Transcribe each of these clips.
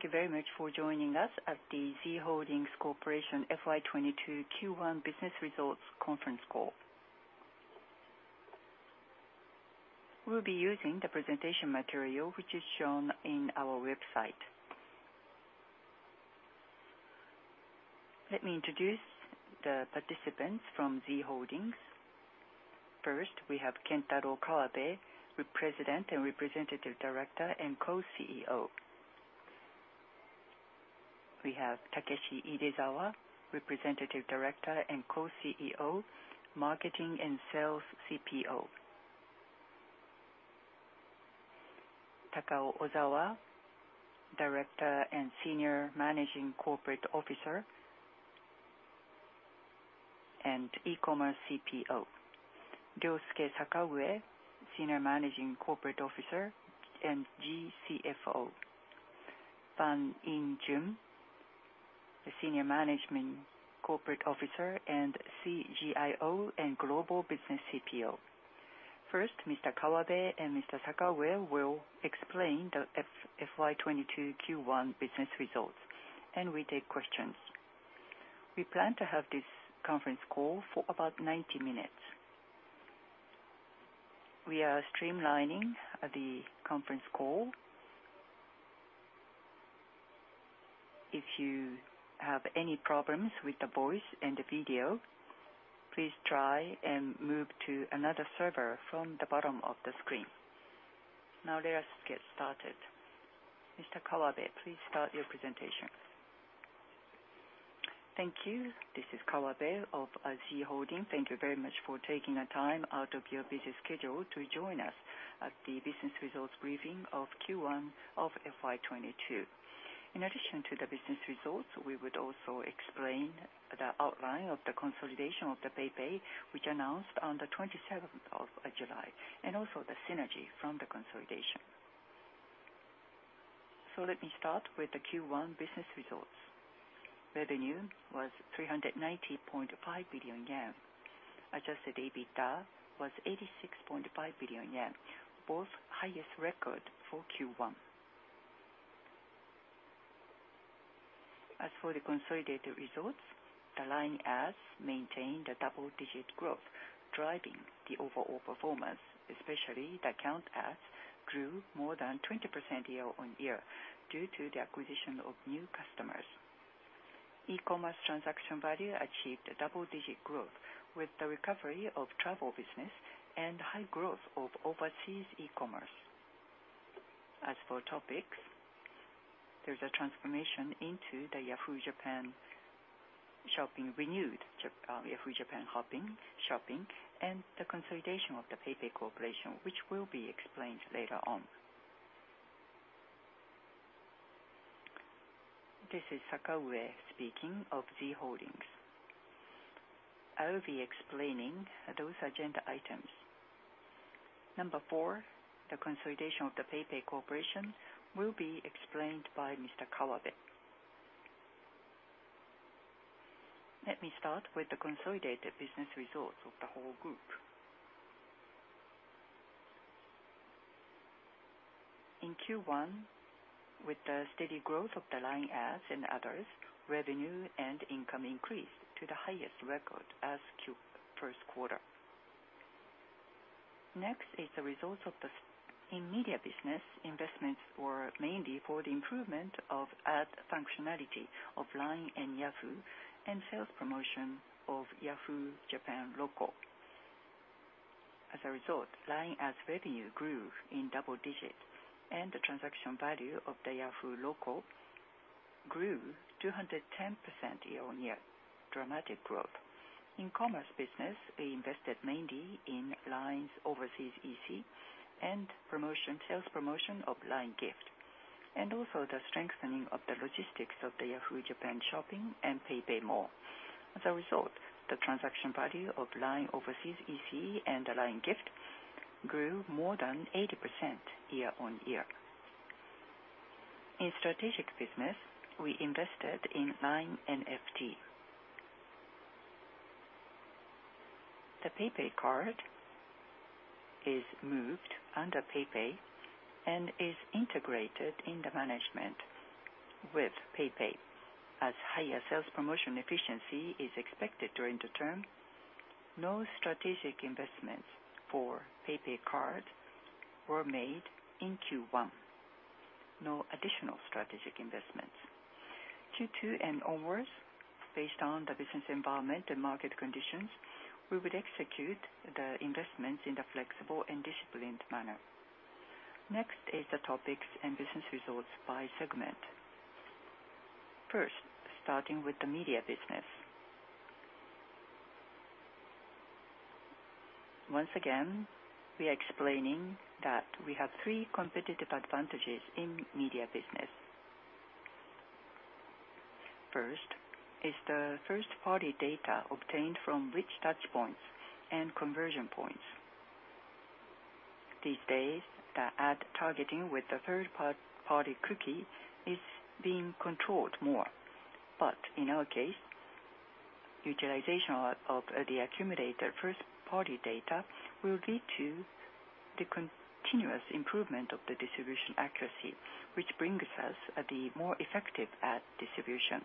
Thank you very much for joining us at the Z Holdings Corporation FY 2022 Q1 Business Results Conference Call. We'll be using the presentation material which is shown in our website. Let me introduce the participants from Z Holdings. First, we have Kentaro Kawabe, the President and Representative Director and Co-CEO. We have Takeshi Idezawa, Representative Director and Co-CEO, Marketing and Sales CPO. Takao Ozawa, Director and Senior Managing Corporate Officer and E-commerce CPO. Ryosuke Sakaue, Senior Managing Corporate Officer and GCFO. In Joon Hwang, the Senior Management Corporate Officer and CGIO and Global Business CPO. First, Mr. Kawabe and Mr. Sakaue will explain the FY 2022 Q1 Business Results, and we take questions. We plan to have this conference call for about 90 minutes. We are streamlining the conference call. If you have any problems with the voice and the video, please try and move to another server from the bottom of the screen. Now let us get started. Mr. Kawabe, please start your presentation. Thank you. This is Kawabe of Z Holdings. Thank you very much for taking the time out of your busy schedule to join us at the business results briefing of Q1 of FY 2022. In addition to the business results, we would also explain the outline of the consolidation of the PayPay, which announced on the 27th of July, and also the synergy from the consolidation. Let me start with the Q1 business results. Revenue was 390.5 billion yen. Adjusted EBITDA was 86.5 billion yen, both highest record for Q1. As for the consolidated results, the LINE Ads maintained a double-digit growth, driving the overall performance, especially the account ads grew more than 20% year-on-year due to the acquisition of new customers. E-commerce transaction value achieved a double-digit growth with the recovery of travel business and high growth of overseas e-commerce. As for topics, there's a transformation into the renewed Yahoo! JAPAN Shopping, and the consolidation of the PayPay Corporation, which will be explained later on. This is Sakaue speaking of Z Holdings. I'll be explaining those agenda items. Number four, the consolidation of the PayPay Corporation, will be explained by Mr. Kawabe. Let me start with the consolidated business results of the whole group. In Q1, with the steady growth of the LINE Ads and others, revenue and income increased to the highest record for the first quarter. Next is the results of the segment in Media Business, investments were mainly for the improvement of ad functionality of LINE and Yahoo, and sales promotion of Yahoo! JAPAN Loco. As a result, LINE Ads revenue grew in double digits, and the transaction value of the Yahoo Local grew 210% year-on-year. Dramatic growth. In Commerce Business, we invested mainly in LINE's overseas EC and promotion, sales promotion of LINE GIFT, and also the strengthening of the logistics of the Yahoo! JAPAN Shopping and PayPay Mall. As a result, the transaction value of LINE overseas EC and the LINE GIFT grew more than 80% year-on-year. In strategic business, we invested in LINE NFT. The PayPay Card is moved under PayPay and is integrated in the management with PayPay. As higher sales promotion efficiency is expected during the term, no strategic investments for PayPay Card were made in Q1. No additional strategic investments. Q2 and onwards, based on the business environment and market conditions, we would execute the investments in the flexible and disciplined manner. Next is the topics and business results by segment. First, starting with the Media Business. Once again, we are explaining that we have three competitive advantages in Media Business. First is the first-party data obtained from rich touch points and conversion points. These days, the ad targeting with the third-party cookie is being controlled more. But in our case, utilization of the accumulated first-party data will lead to the continuous improvement of the distribution accuracy, which brings us the more effective ad distribution.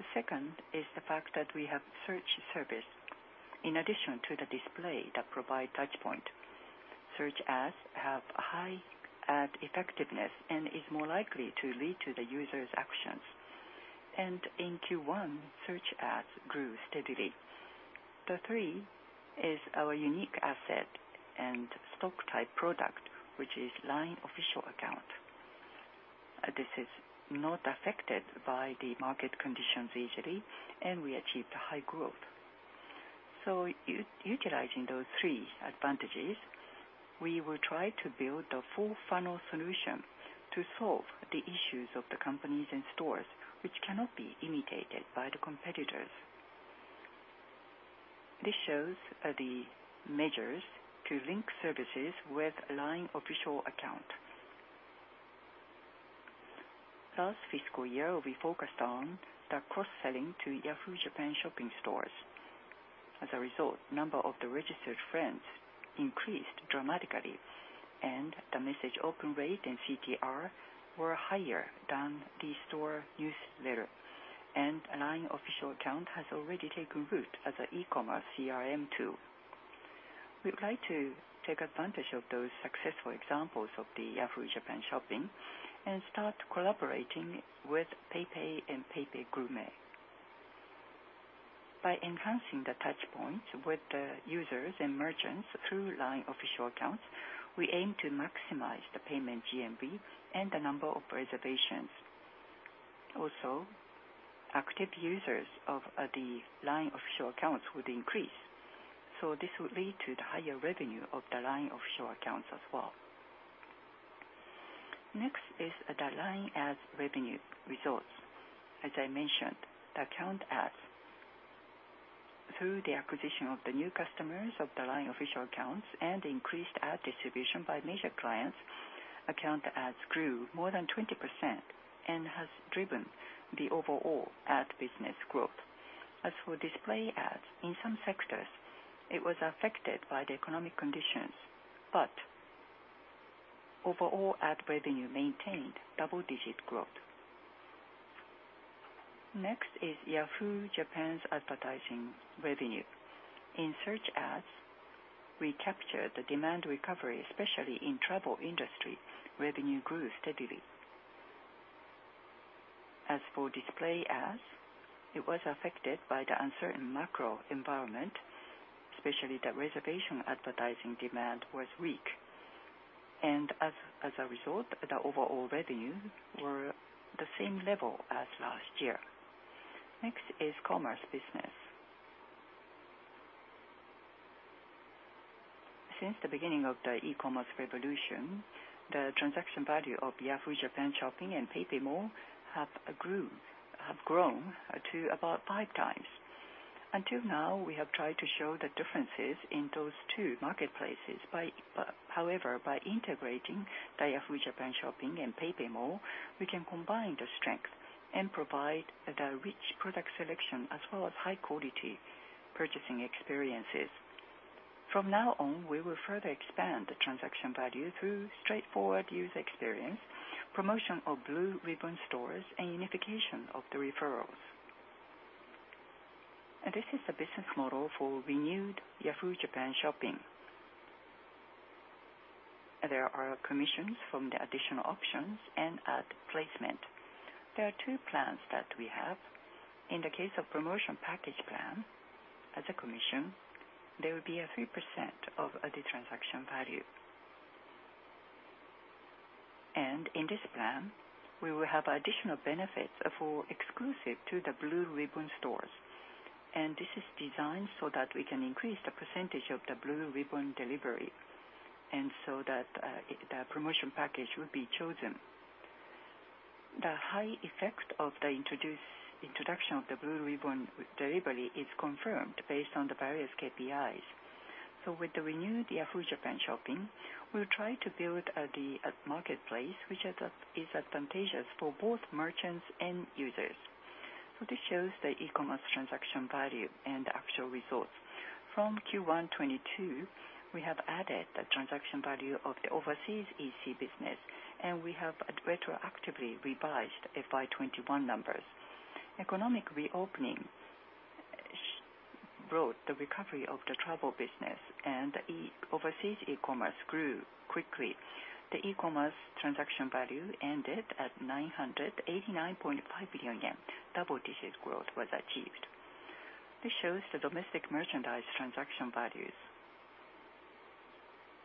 The second is the fact that we have search service in addition to the display that provide touch point. Search ads have high ad effectiveness and is more likely to lead to the user's actions. In Q1, search ads grew steadily. The third is our unique asset and stock-type product, which is LINE Official Account. This is not affected by the market conditions easily, and we achieved a high growth. Utilizing those three advantages, we will try to build a full funnel solution to solve the issues of the companies and stores which cannot be imitated by the competitors. This shows the measures to link services with LINE Official Account. Last fiscal year, we focused on the cross-selling to Yahoo! JAPAN Shopping stores. As a result, number of the registered friends increased dramatically, and the message open rate and CTR were higher than the store newsletter. LINE Official Account has already taken root as an e-commerce CRM tool. We would like to take advantage of those successful examples of the Yahoo! JAPAN Shopping and start collaborating with PayPay and PayPay Gourmet. By enhancing the touch points with the users and merchants through LINE Official Accounts, we aim to maximize the payment GMV and the number of reservations. Also, active users of the LINE Official Accounts would increase, so this would lead to the higher revenue of the LINE Official Accounts as well. Next is the LINE Ads revenue results. As I mentioned, the account ads. Through the acquisition of the new customers of the LINE Official Accounts and increased ad distribution by major clients, account ads grew more than 20% and has driven the overall ad business growth. As for display ads, in some sectors it was affected by the economic conditions, but overall ad revenue maintained double-digit growth. Next is Yahoo! JAPAN's advertising revenue. In search ads, we captured the demand recovery, especially in travel industry. Revenue grew steadily. As for display ads, it was affected by the uncertain macro environment, especially the reservation advertising demand was weak. As a result, the overall revenue were the same level as last year. Next is Commerce Business. Since the beginning of the e-commerce revolution, the transaction value of Yahoo! JAPAN Shopping and PayPay Mall have grown to about 5x. Until now, we have tried to show the differences in those two marketplaces, however, by integrating the Yahoo! JAPAN Shopping and PayPay Mall, we can combine the strength and provide the rich product selection as well as high-quality purchasing experiences. From now on, we will further expand the transaction value through straightforward user experience, promotion of Blue Ribbon stores, and unification of the referrals. This is the business model for renewed Yahoo! JAPAN Shopping. There are commissions from the additional options and ad placement. There are two plans that we have. In the case of promotion package plan, as a commission, there will be a 3% of the transaction value. In this plan, we will have additional benefits for exclusive to the Blue Ribbon stores. This is designed so that we can increase the percentage of the Blue Ribbon delivery, and so that the promotion package will be chosen. The high effect of the introduction of the Blue Ribbon delivery is confirmed based on the various KPIs. With the renewed Yahoo! JAPAN Shopping, we'll try to build a marketplace, which is advantageous for both merchants and users. This shows the e-commerce transaction value and actual results. From Q1 2022, we have added the transaction value of the overseas EC business, and we have retroactively revised FY 2021 numbers. Economic reopening brought the recovery of the travel business, and overseas e-commerce grew quickly. The e-commerce transaction value ended at 989.5 billion yen. Double-digit growth was achieved. This shows the domestic merchandise transaction values.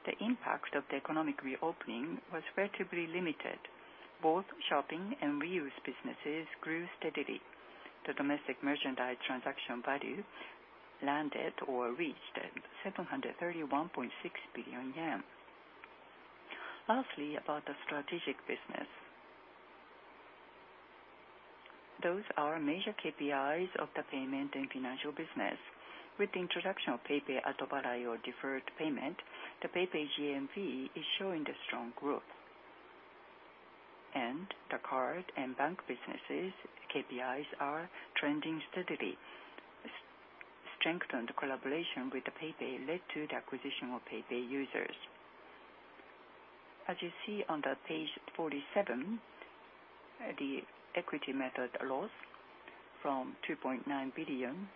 The impact of the economic reopening was relatively limited. Both shopping and reuse businesses grew steadily. The domestic merchandise transaction value landed or reached 731.6 billion yen. Lastly, about the strategic business. Those are major KPIs of the payment and financial business. With the introduction of PayPay Atobarai or deferred payment, the PayPay GMV is showing a strong growth. The card and bank businesses KPIs are trending steadily. Strengthened collaboration with the PayPay led to the acquisition of PayPay users. As you see on the page 47, the equity method loss from 2.9 billion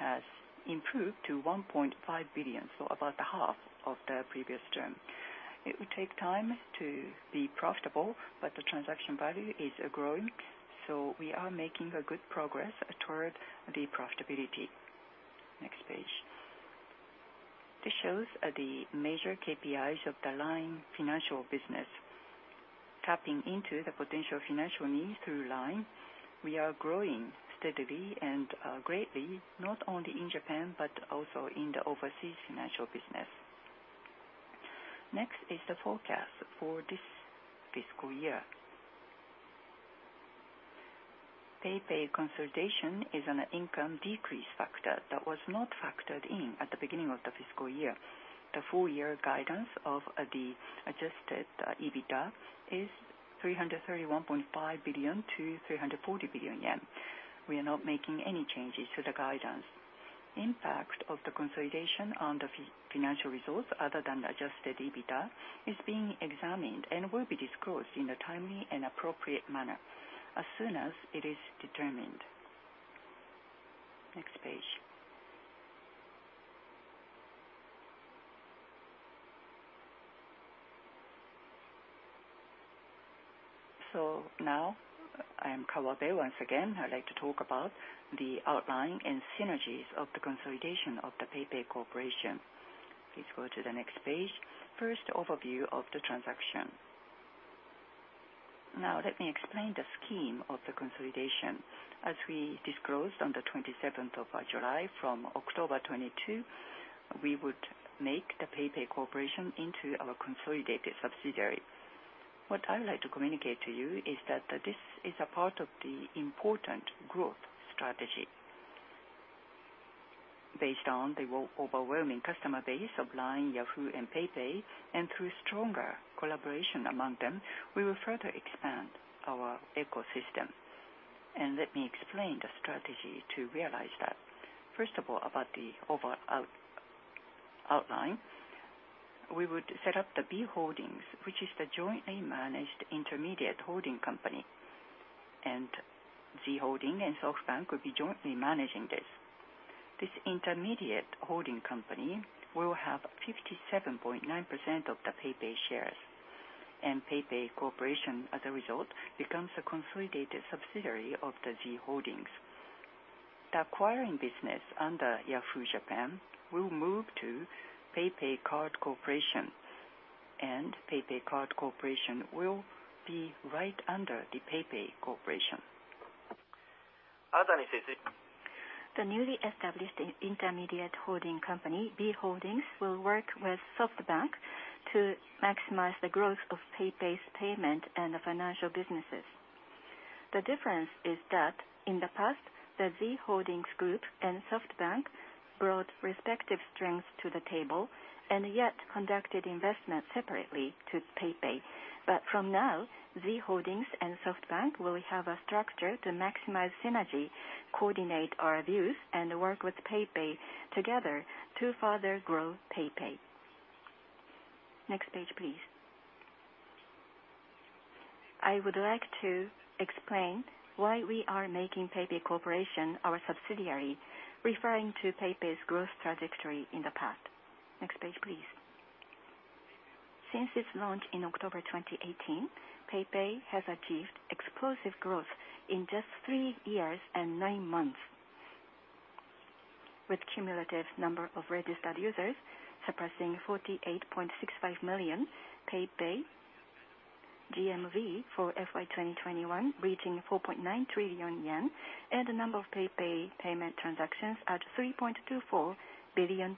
has improved to 1.5 billion, so about the half of the previous term. It will take time to be profitable, but the transaction value is growing, so we are making a good progress toward the profitability. Next page. This shows the major KPIs of the LINE Financial business. Tapping into the potential financial needs through LINE, we are growing steadily and greatly, not only in Japan, but also in the overseas financial business. Next is the forecast for this fiscal year. PayPay consolidation is an income decrease factor that was not factored in at the beginning of the fiscal year. The full year guidance of the adjusted EBITDA is 331.5 billion-340 billion yen. We are not making any changes to the guidance. Impact of the consolidation on the financial results other than adjusted EBITDA is being examined and will be disclosed in a timely and appropriate manner as soon as it is determined. Next page. Now, I am Kawabe once again. I'd like to talk about the outline and synergies of the consolidation of the PayPay Corporation. Please go to the next page. First, overview of the transaction. Now let me explain the scheme of the consolidation. As we disclosed on the 27th of July, from October 2022, we would make the PayPay Corporation into our consolidated subsidiary. What I would like to communicate to you is that this is a part of the important growth strategy. Based on the overwhelming customer base of LINE, Yahoo, and PayPay, and through stronger collaboration among them, we will further expand our ecosystem. Let me explain the strategy to realize that. First of all, about the overall outline, we would set up the B Holdings, which is the jointly managed intermediate holding company. Z Holdings and SoftBank will be jointly managing this. This intermediate holding company will have 57.9% of the PayPay shares, and PayPay Corporation, as a result, becomes a consolidated subsidiary of the Z Holdings. The acquiring business under Yahoo! JAPAN will move to PayPay Card Corporation, and PayPay Card Corporation will be right under the PayPay Corporation. The newly established intermediate holding company, B Holdings, will work with SoftBank to maximize the growth of PayPay's payment and the financial businesses. The difference is that in the past, the Z Holdings Group and SoftBank brought respective strengths to the table and yet conducted investment separately to PayPay. From now, Z Holdings and SoftBank will have a structure to maximize synergy, coordinate our views, and work with PayPay together to further grow PayPay. Next page, please. I would like to explain why we are making PayPay Corporation our subsidiary, referring to PayPay's growth trajectory in the past. Next page, please. Since its launch in October 2018, PayPay has achieved explosive growth in just three years and nine months, with cumulative number of registered users surpassing 48.65 million, PayPay GMV for FY 2021 reaching 4.9 trillion yen, and the number of PayPay payment transactions at 3.24x billion.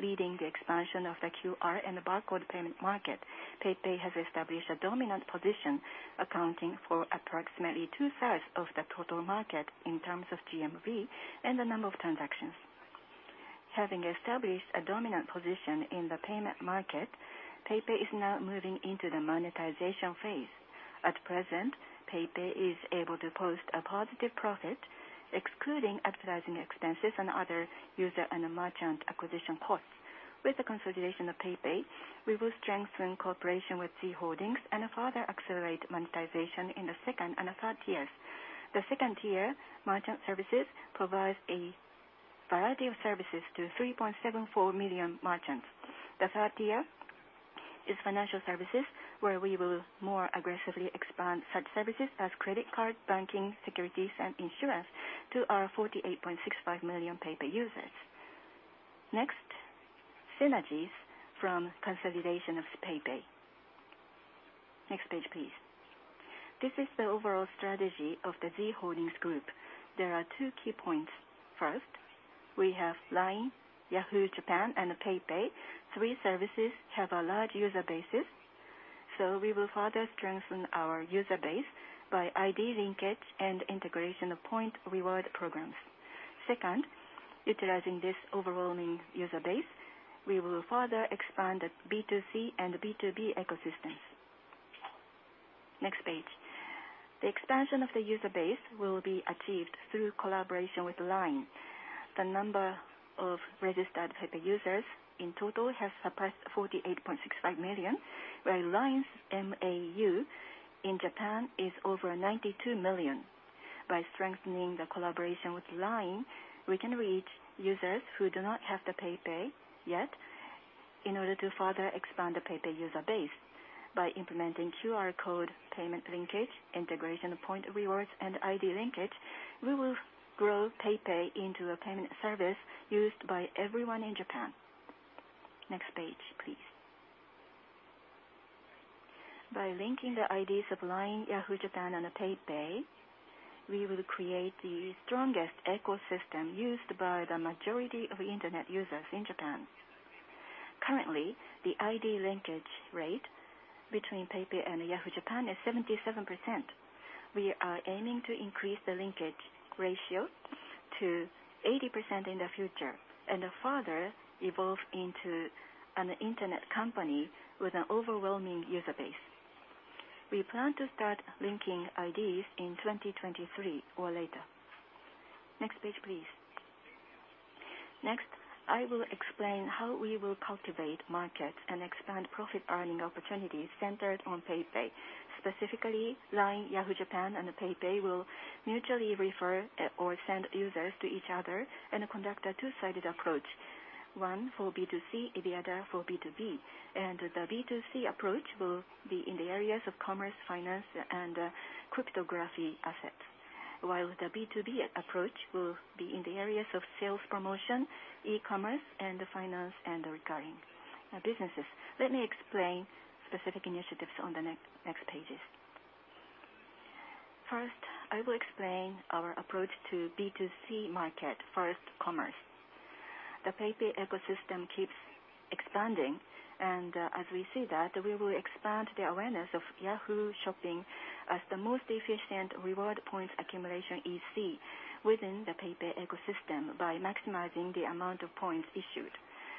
Leading the expansion of the QR and the barcode payment market, PayPay has established a dominant position, accounting for approximately 2/3 of the total market in terms of GMV and the number of transactions. Having established a dominant position in the payment market, PayPay is now moving into the monetization phase. At present, PayPay is able to post a positive profit, excluding advertising expenses and other user and merchant acquisition costs. With the consolidation of PayPay, we will strengthen cooperation with Z Holdings and further accelerate monetization in the second and the third years. The second-tier merchant services provides a variety of services to 3.74 million merchants. The third tier is financial services, where we will more aggressively expand such services as credit card, banking, securities, and insurance to our 48.65 million PayPay users. Next, synergies from consolidation of PayPay. Next page, please. This is the overall strategy of the Z Holdings Group. There are two key points. First, we have LINE, Yahoo! JAPAN, and PayPay. Three services have a large user bases, so we will further strengthen our user base by ID linkage and integration of point reward programs. Second, utilizing this overwhelming user base, we will further expand the B2C and the B2B ecosystems. Next page. The expansion of the user base will be achieved through collaboration with LINE. The number of registered PayPay users in total has surpassed 48.65 million, where LINE's MAU in Japan is over 92 million. By strengthening the collaboration with LINE, we can reach users who do not have the PayPay yet in order to further expand the PayPay user base. By implementing QR code payment linkage, integration point rewards, and ID linkage, we will grow PayPay into a payment service used by everyone in Japan. Next page, please. By linking the IDs of LINE, Yahoo! Japan, and PayPay, we will create the strongest ecosystem used by the majority of internet users in Japan. Currently, the ID linkage rate between PayPay and Yahoo! JAPAN is 77%. We are aiming to increase the linkage ratio to 80% in the future, and further evolve into an internet company with an overwhelming user base. We plan to start linking IDs in 2023 or later. Next page, please. Next, I will explain how we will cultivate markets and expand profit earning opportunities centered on PayPay. Specifically, LINE, Yahoo! JAPAN, and PayPay will mutually refer or send users to each other and conduct a two-sided approach, one for B2C and the other for B2B. The B2C approach will be in the areas of commerce, finance and crypto assets, while the B2B approach will be in the areas of sales promotion, e-commerce and finance and the recurring businesses. Let me explain specific initiatives on the next pages. First, I will explain our approach to B2C market, first commerce. The PayPay ecosystem keeps expanding, and as we see that, we will expand the awareness of Yahoo! Shopping as the most efficient reward point accumulation EC within the PayPay ecosystem by maximizing the amount of points issued.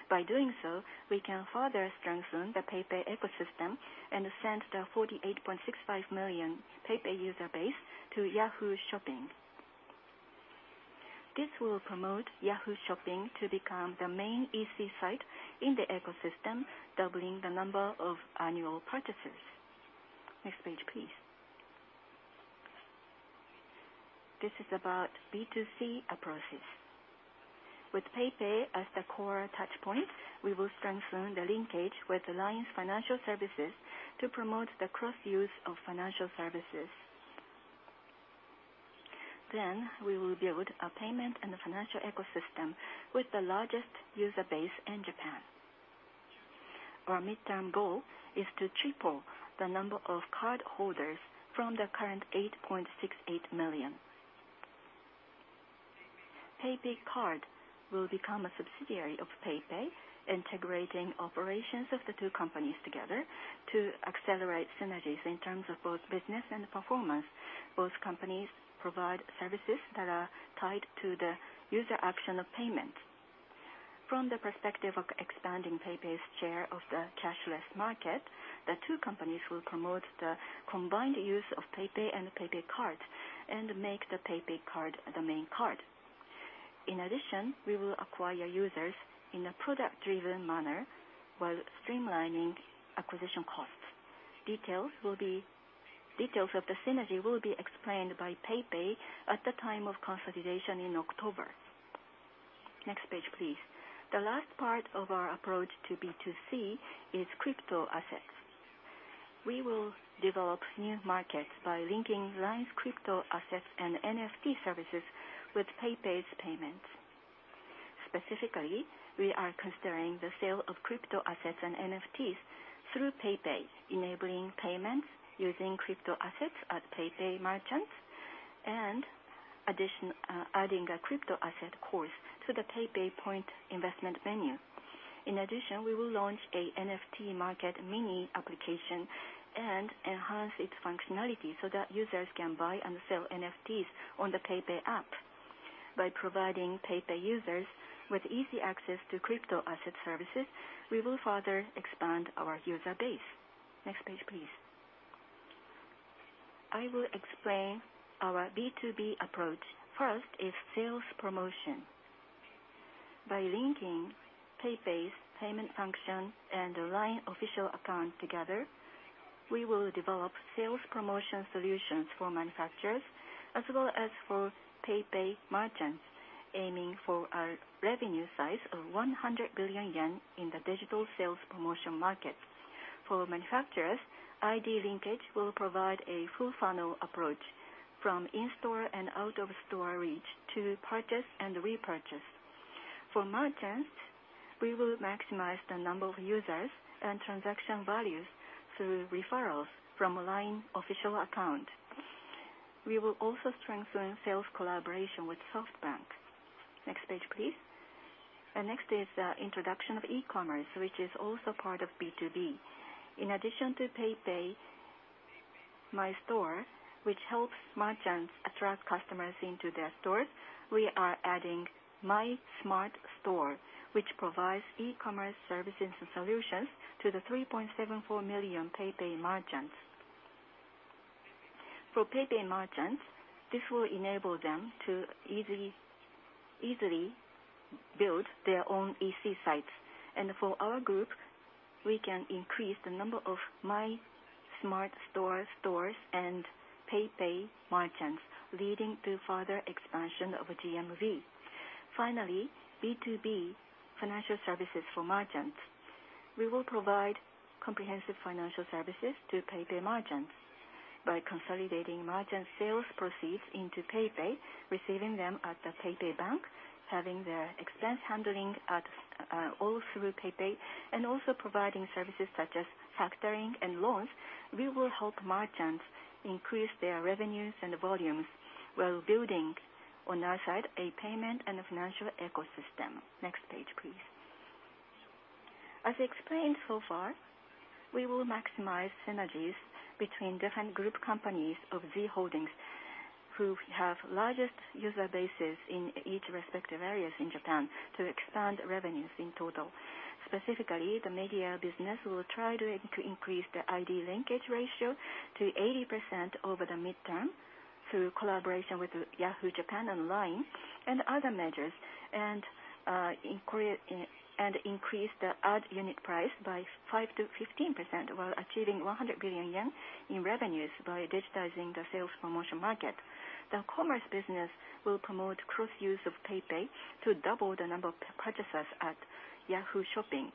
By doing so, we can further strengthen the PayPay ecosystem and send the 48.65 million PayPay user base to Yahoo! Shopping. This will promote Yahoo! Shopping to become the main EC site in the ecosystem, doubling the number of annual purchases. Next page, please. This is about B2C approaches. With PayPay as the core touch point, we will strengthen the linkage with LINE's financial services to promote the cross use of financial services. We will build a payment and financial ecosystem with the largest user base in Japan. Our midterm goal is to triple the number of cardholders from the current 8.68 million. PayPay Card will become a subsidiary of PayPay, integrating operations of the two companies together to accelerate synergies in terms of both business and performance. Both companies provide services that are tied to the user action of payment. From the perspective of expanding PayPay's share of the cashless market, the two companies will promote the combined use of PayPay and PayPay Card and make the PayPay Card the main card. In addition, we will acquire users in a product-driven manner while streamlining acquisition costs. Details of the synergy will be explained by PayPay at the time of consolidation in October. Next page, please. The last part of our approach to B2C is crypto assets. We will develop new markets by linking LINE's crypto assets and NFT services with PayPay's payments. Specifically, we are considering the sale of crypto assets and NFTs through PayPay, enabling payments using crypto assets at PayPay merchants, adding a crypto asset course to the PayPay Point investment menu. In addition, we will launch a NFT market mini application and enhance its functionality so that users can buy and sell NFTs on the PayPay app. By providing PayPay users with easy access to crypto asset services, we will further expand our user base. Next page, please. I will explain our B2B approach. First is sales promotion. By linking PayPay's payment function and the LINE Official Account together, we will develop sales promotion solutions for manufacturers as well as for PayPay merchants, aiming for a revenue size of 100 billion yen in the digital sales promotion market. For manufacturers, ID linkage will provide a full funnel approach from in-store and out-of-store reach to purchase and repurchase. For merchants, we will maximize the number of users and transaction values through referrals from LINE Official Account. We will also strengthen sales collaboration with SoftBank. Next page, please. Next is the introduction of e-commerce, which is also part of B2B. In addition to PayPay My Store, which helps merchants attract customers into their stores, we are adding MySmartStore, which provides e-commerce services and solutions to the 3.74 million PayPay merchants. For PayPay merchants, this will enable them to easily build their own EC sites. For our group, we can increase the number of MySmartStore stores and PayPay merchants, leading to further expansion of GMV. Finally, B2B financial services for merchants. We will provide comprehensive financial services to PayPay merchants by consolidating merchant sales proceeds into PayPay, receiving them at the PayPay Bank, having their expense handling at all through PayPay, and also providing services such as factoring and loans. We will help merchants increase their revenues and volumes while building, on our side, a payment and a financial ecosystem. Next page, please. As explained so far, we will maximize synergies between different group companies of Z Holdings, who have largest user bases in each respective areas in Japan to expand revenues in total. Specifically, the media business will try to increase the ID linkage ratio to 80% over the midterm through collaboration with Yahoo! JAPAN and LINE and other measures, and increase the ad unit price by 5%-15%, while achieving 100 billion yen in revenues by digitizing the sales promotion market. The commerce business will promote cross-use of PayPay to double the number of purchasers at Yahoo! Shopping.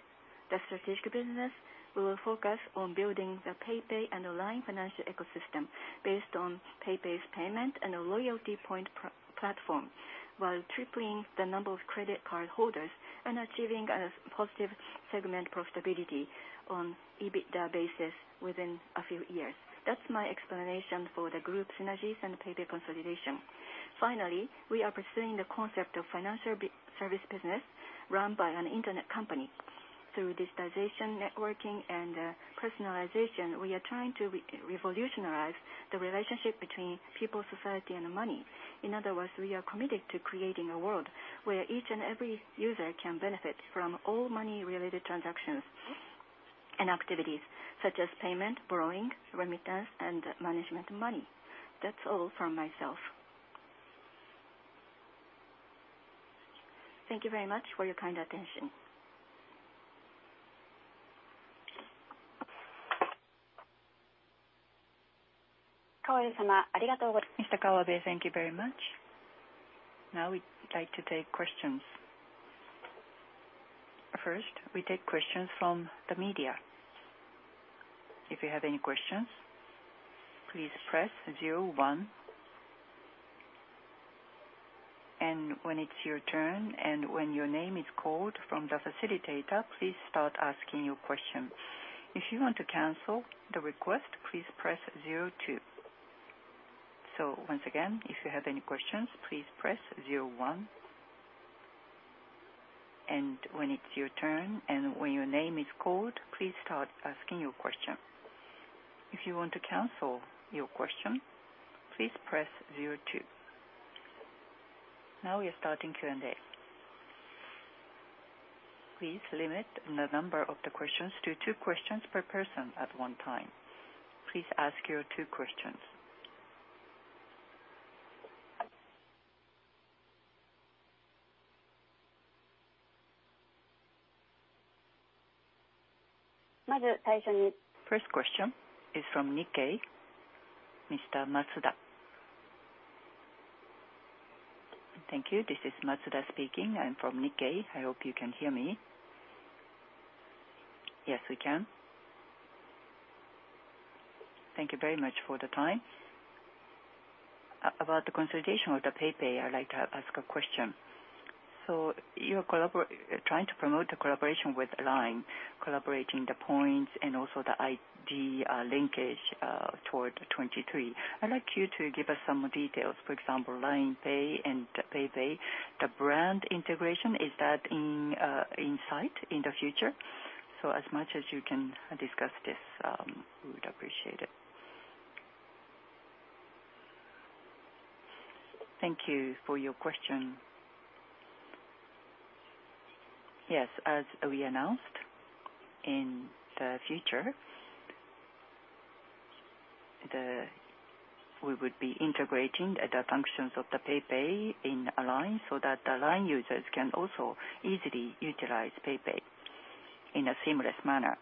The strategic business will focus on building the PayPay and the LINE financial ecosystem based on PayPay's payment and a loyalty point platform, while tripling the number of credit card holders and achieving a positive segment profitability on EBITDA basis within a few years. That's my explanation for the group synergies and PayPay consolidation. Finally, we are pursuing the concept of financial service business run by an internet company. Through digitization, networking and personalization, we are trying to revolutionize the relationship between people, society and money. In other words, we are committed to creating a world where each and every user can benefit from all money-related transactions and activities such as payment, borrowing, remittance and management of money. That's all from myself. Thank you very much for your kind attention. Mr. Kawabe, thank you very much. Now we'd like to take questions. First, we take questions from the media. If you have any questions, please press zero one. When it's your turn, and when your name is called from the facilitator, please start asking your question. If you want to cancel the request, please press zero two. Once again, if you have any questions, please press zero one. When it's your turn, and when your name is called, please start asking your question. If you want to cancel your question, please press zero two. Now we are starting Q&A. Please limit the number of the questions to two questions per person at one time. Please ask your two questions. First question is from Nikkei, Mr. Matsuda. Thank you. This is Matsuda speaking. I'm from Nikkei. I hope you can hear me. Yes, we can. Thank you very much for the time. About the consolidation with the PayPay, I'd like to ask a question. You're trying to promote the collaboration with LINE, collaborating the points and also the ID linkage toward 2023. I'd like you to give us some more details. For example, LINE Pay and PayPay, the brand integration, is that in sight in the future? As much as you can discuss this, we would appreciate it. Thank you for your question. Yes, as we announced, in the future, we would be integrating the functions of the PayPay in LINE so that the LINE users can also easily utilize PayPay in a seamless manner.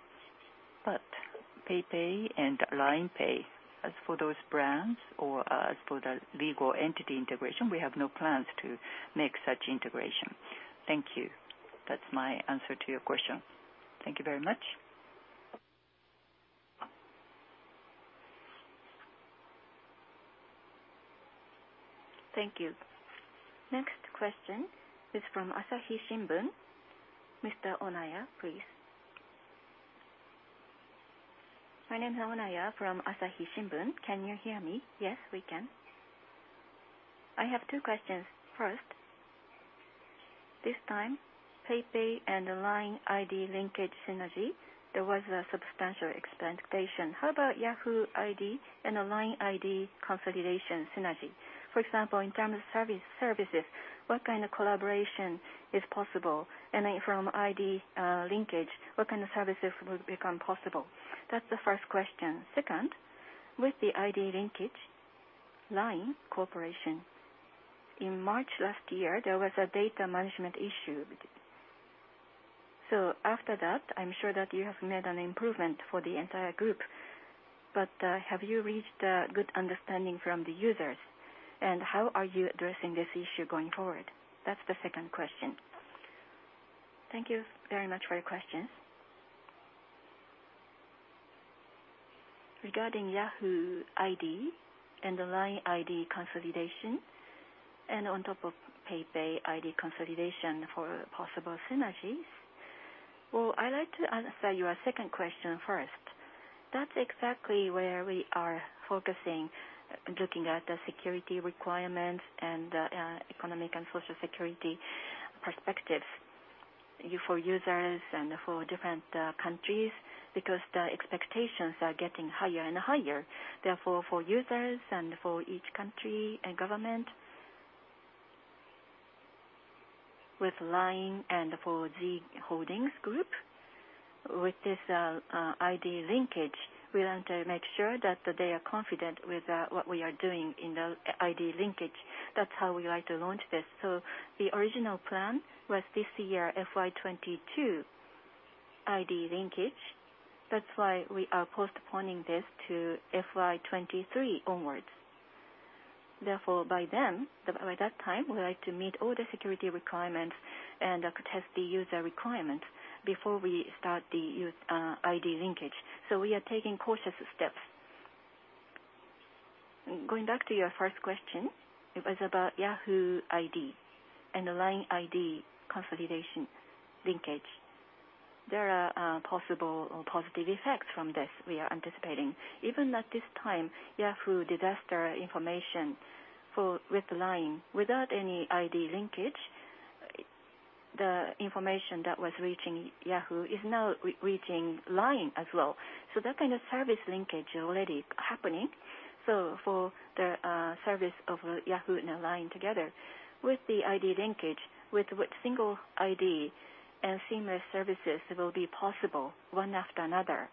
PayPay and LINE Pay, as for those brands or as for the legal entity integration, we have no plans to make such integration. Thank you. That's my answer to your question. Thank you very much. Thank you. Next question is from Asahi Shimbun. Mr. Onaya, please. My name is Onaya from Asahi Shimbun. Can you hear me? Yes, we can. I have two questions. First, this time, PayPay and the LINE ID linkage synergy, there was a substantial expectation. How about Yahoo ID and the LINE ID consolidation synergy? For example, in terms of services, what kind of collaboration is possible? And then from ID linkage, what kind of services will become possible? That's the first question. Second, with the ID linkage, LINE Corporation, in March last year, there was a data management issue. So after that, I'm sure that you have made an improvement for the entire group. But, have you reached a good understanding from the users, and how are you addressing this issue going forward? That's the second question. Thank you very much for your questions. Regarding Yahoo ID and the LINE ID consolidation, and on top of PayPay ID consolidation for possible synergies, well, I'd like to answer your second question first. That's exactly where we are focusing, looking at the security requirements and economic and social security perspective for users and for different countries, because the expectations are getting higher and higher. For users and for each country and government, with LINE and for Z Holdings Group, with this ID linkage, we want to make sure that they are confident with what we are doing in the ID linkage. That's how we like to launch this. The original plan was this year, FY 2022 ID linkage. That's why we are postponing this to FY 2023 onwards. By then, by that time, we'd like to meet all the security requirements and test the user requirement before we start the ID linkage. We are taking cautious steps. Going back to your first question, it was about Yahoo ID and the LINE ID consolidation linkage. There are possible or positive effects from this we are anticipating. Even at this time, Yahoo disaster information with LINE, without any ID linkage, the information that was reaching Yahoo is now reaching LINE as well. That kind of service linkage already happening. For the service of Yahoo and LINE together, with the ID linkage, with single ID and seamless services, it will be possible one after another.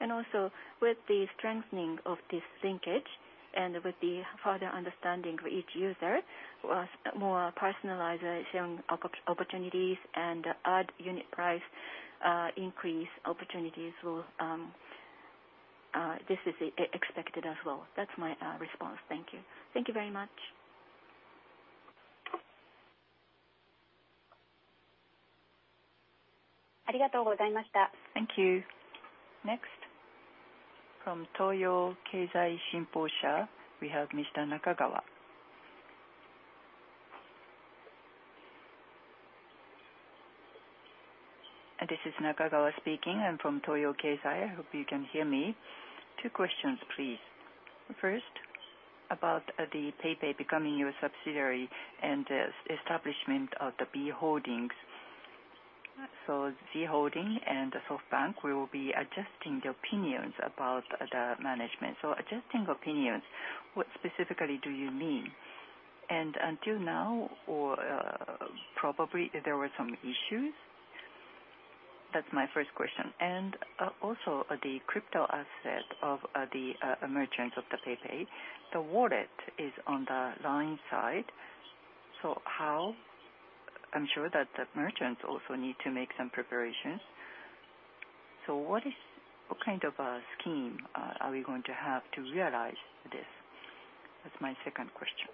Also, with the strengthening of this linkage, and with the further understanding of each user, was more personalization opportunities and ad unit price increase opportunities will this is expected as well. That's my response. Thank you. Thank you very much. Thank you. Next, from Toyo Keizai Shimposha, we have Mr. Nakagawa. This is Nakagawa speaking. I'm from Toyo Keizai. I hope you can hear me. Two questions, please. First, about the PayPay becoming your subsidiary and this establishment of the B Holdings. Z Holdings and SoftBank will be adjusting the opinions about the management. Adjusting opinions, what specifically do you mean? And until now, probably there were some issues? That's my first question. Also, the crypto asset of the merchants of the PayPay, the wallet is on the LINE side. How? I'm sure that the merchants also need to make some preparations. What kind of a scheme are we going to have to realize this? That's my second question.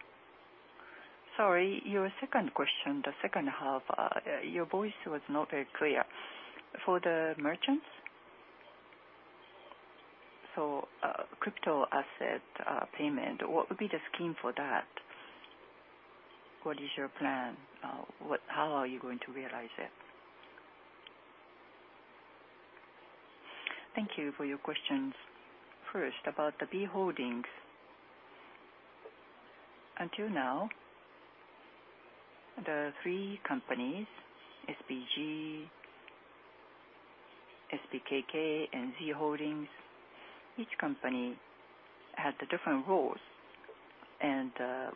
Sorry, your second question, the second half, your voice was not very clear. For the merchants? Crypto asset payment, what would be the scheme for that? What is your plan? How are you going to realize it? Thank you for your questions. First, about the B Holdings. Until now, the three companies, SBG, SBKK, and Z Holdings, each company had different roles.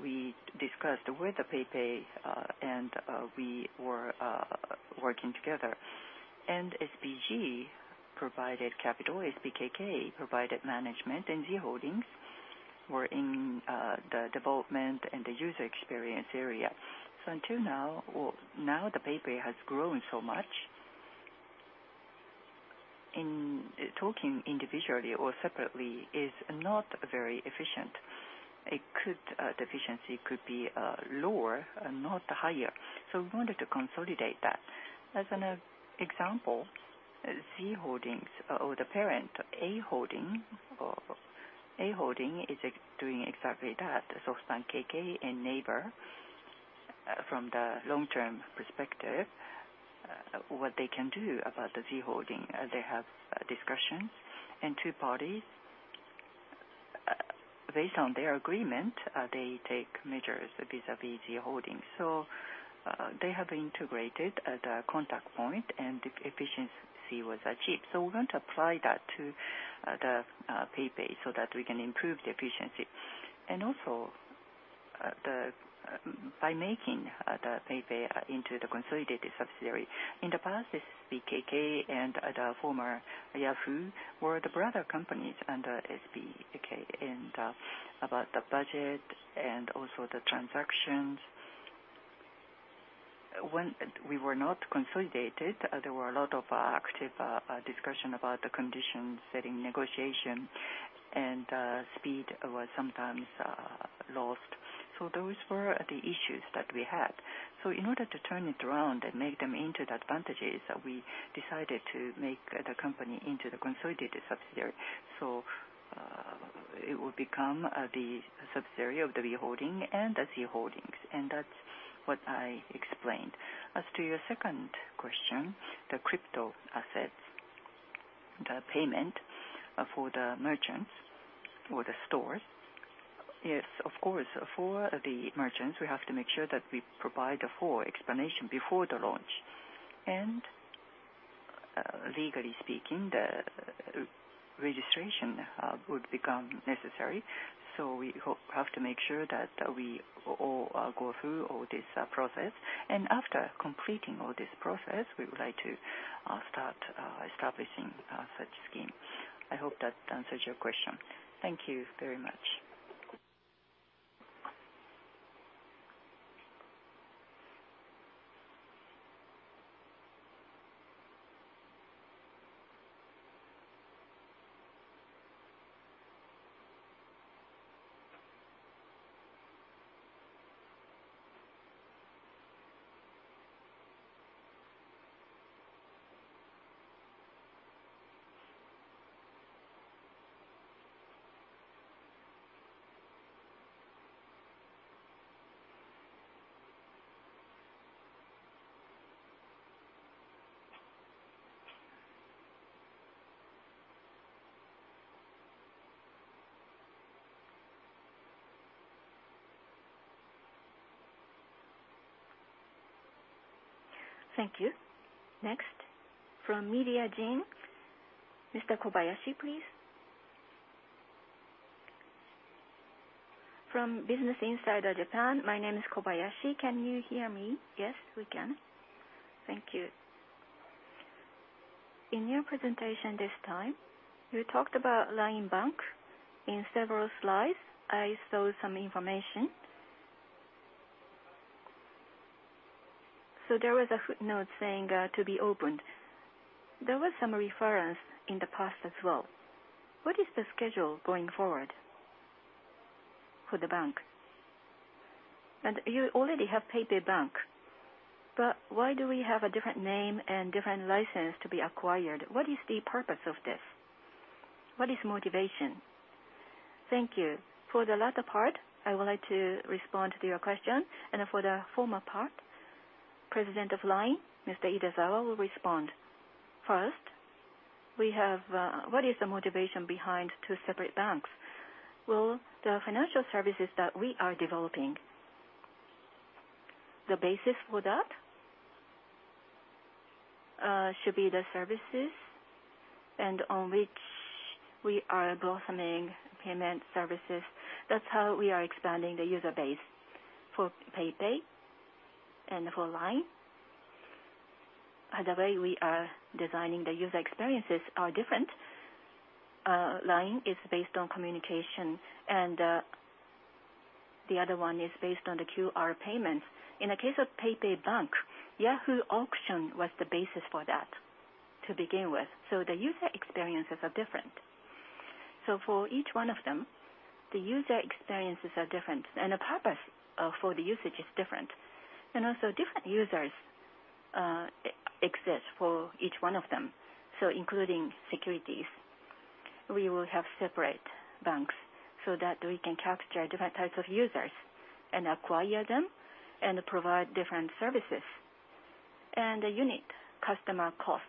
We discussed with PayPay, and we were working together. SBG provided capital, SBKK provided management, and Z Holdings were in the development and the user experience area. Well, now that PayPay has grown so much, in talking individually or separately is not very efficient. The efficiency could be lower and not higher. We wanted to consolidate that. As an example, Z Holdings or the parent, A Holdings, or A Holdings is doing exactly that. SoftBank Corp. and Naver, from the long-term perspective, what they can do about the Z Holdings, they have discussions. Two parties, based on their agreement, they take measures vis-a-vis Z Holdings. They have integrated the contact point and efficiency was achieved. We're going to apply that to the PayPay so that we can improve the efficiency. By making the PayPay into the consolidated subsidiary, in the past, SBKK and the former Yahoo were the brother companies under SBG. About the budget and also the transactions, when we were not consolidated, there were a lot of active discussion about the condition setting negotiation, and speed was sometimes lost. Those were the issues that we had. In order to turn it around and make them into the advantages, we decided to make the company into the consolidated subsidiary. It will become the subsidiary of the Z Holdings, and that's what I explained. As to your second question, the crypto assets, the payment for the merchants or the stores, yes, of course, for the merchants, we have to make sure that we provide a full explanation before the launch. Legally speaking, the registration would become necessary, so we have to make sure that we all go through all this process. After completing all this process, we would like to start establishing such scheme. I hope that answers your question. Thank you very much. Thank you. Next, from Mediagene, Mr. Kobayashi, please. From Business Insider Japan, my name is Kobayashi. Can you hear me? Yes, we can. Thank you. In your presentation this time, you talked about LINE Bank. In several slides, I saw some information. There was a footnote saying to be opened. There was some reference in the past as well. What is the schedule going forward for the bank? You already have PayPay Bank, but why do we have a different name and different license to be acquired? What is the purpose of this? What is motivation? Thank you. For the latter part, I would like to respond to your question, and for the former part, President of LINE, Mr. Idezawa will respond. First, we have what is the motivation behind two separate banks? Well, the financial services that we are developing, the basis for that, should be the services and on which we are blossoming payment services. That's how we are expanding the user base for PayPay and for LINE. The way we are designing the user experiences are different. LINE is based on communication, and the other one is based on the QR payments. In the case of PayPay Bank, Yahoo! Auctions was the basis for that to begin with, so the user experiences are different. For each one of them, the user experiences are different, and the purpose for the usage is different. Also different users exist for each one of them, so including securities. We will have separate banks so that we can capture different types of users and acquire them and provide different services. The unit customer cost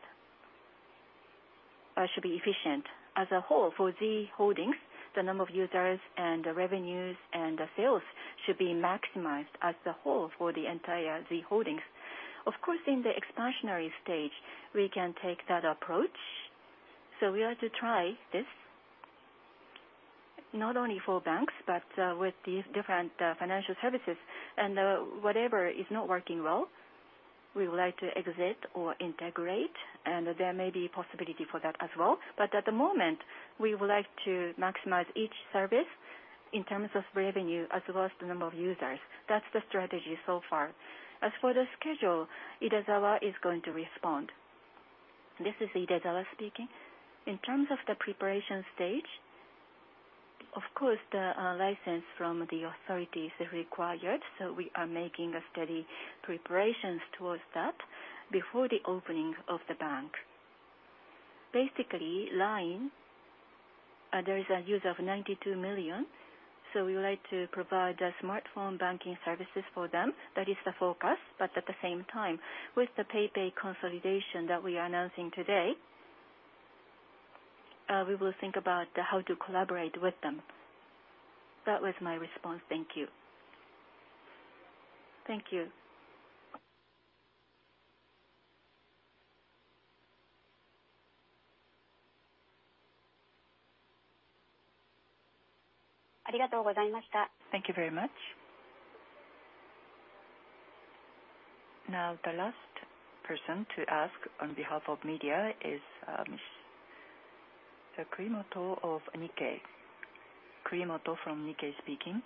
should be efficient as a whole for Z Holdings, the number of users and the revenues and the sales should be maximized as the whole for the entire Z Holdings. Of course, in the expansionary stage, we can take that approach, so we are to try this not only for banks, but with these different financial services. Whatever is not working well, we would like to exit or integrate, and there may be possibility for that as well. At the moment, we would like to maximize each service in terms of revenue as well as the number of users. That's the strategy so far. As for the schedule, Idezawa is going to respond. This is Idezawa speaking. In terms of the preparation stage, of course, the license from the authorities is required, so we are making steady preparations towards that before the opening of the bank. Basically, LINE, there is a user of 92 million, so we would like to provide smartphone banking services for them. That is the focus. At the same time, with the PayPay consolidation that we are announcing today. We will think about how to collaborate with them. That was my response. Thank you. Thank you. Thank you very much. Now, the last person to ask on behalf of media is, Sir Kurimoto of Nikkei. Kurimoto from Nikkei speaking.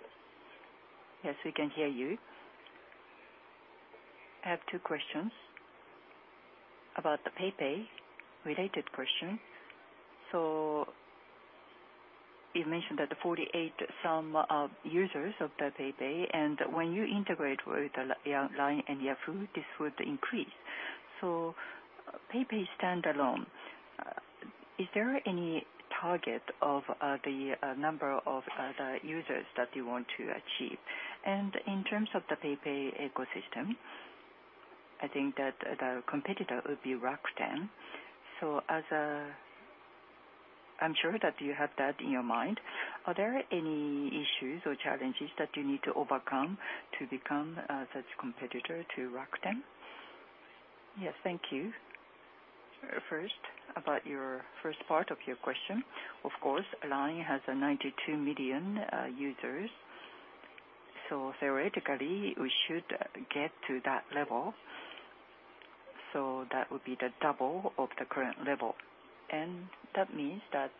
Yes, we can hear you. I have two questions about the PayPay related question. You mentioned that the 48 million users of PayPay, and when you integrate with LINE and Yahoo, this would increase. PayPay standalone, is there any target of the number of the users that you want to achieve? And in terms of the PayPay ecosystem, I think that the competitor would be Rakuten. I'm sure that you have that in your mind. Are there any issues or challenges that you need to overcome to become such competitor to Rakuten? Yes. Thank you. First, about your first part of your question, of course, LINE has 92 million users. Theoretically, we should get to that level, so that would be the double of the current level. That means that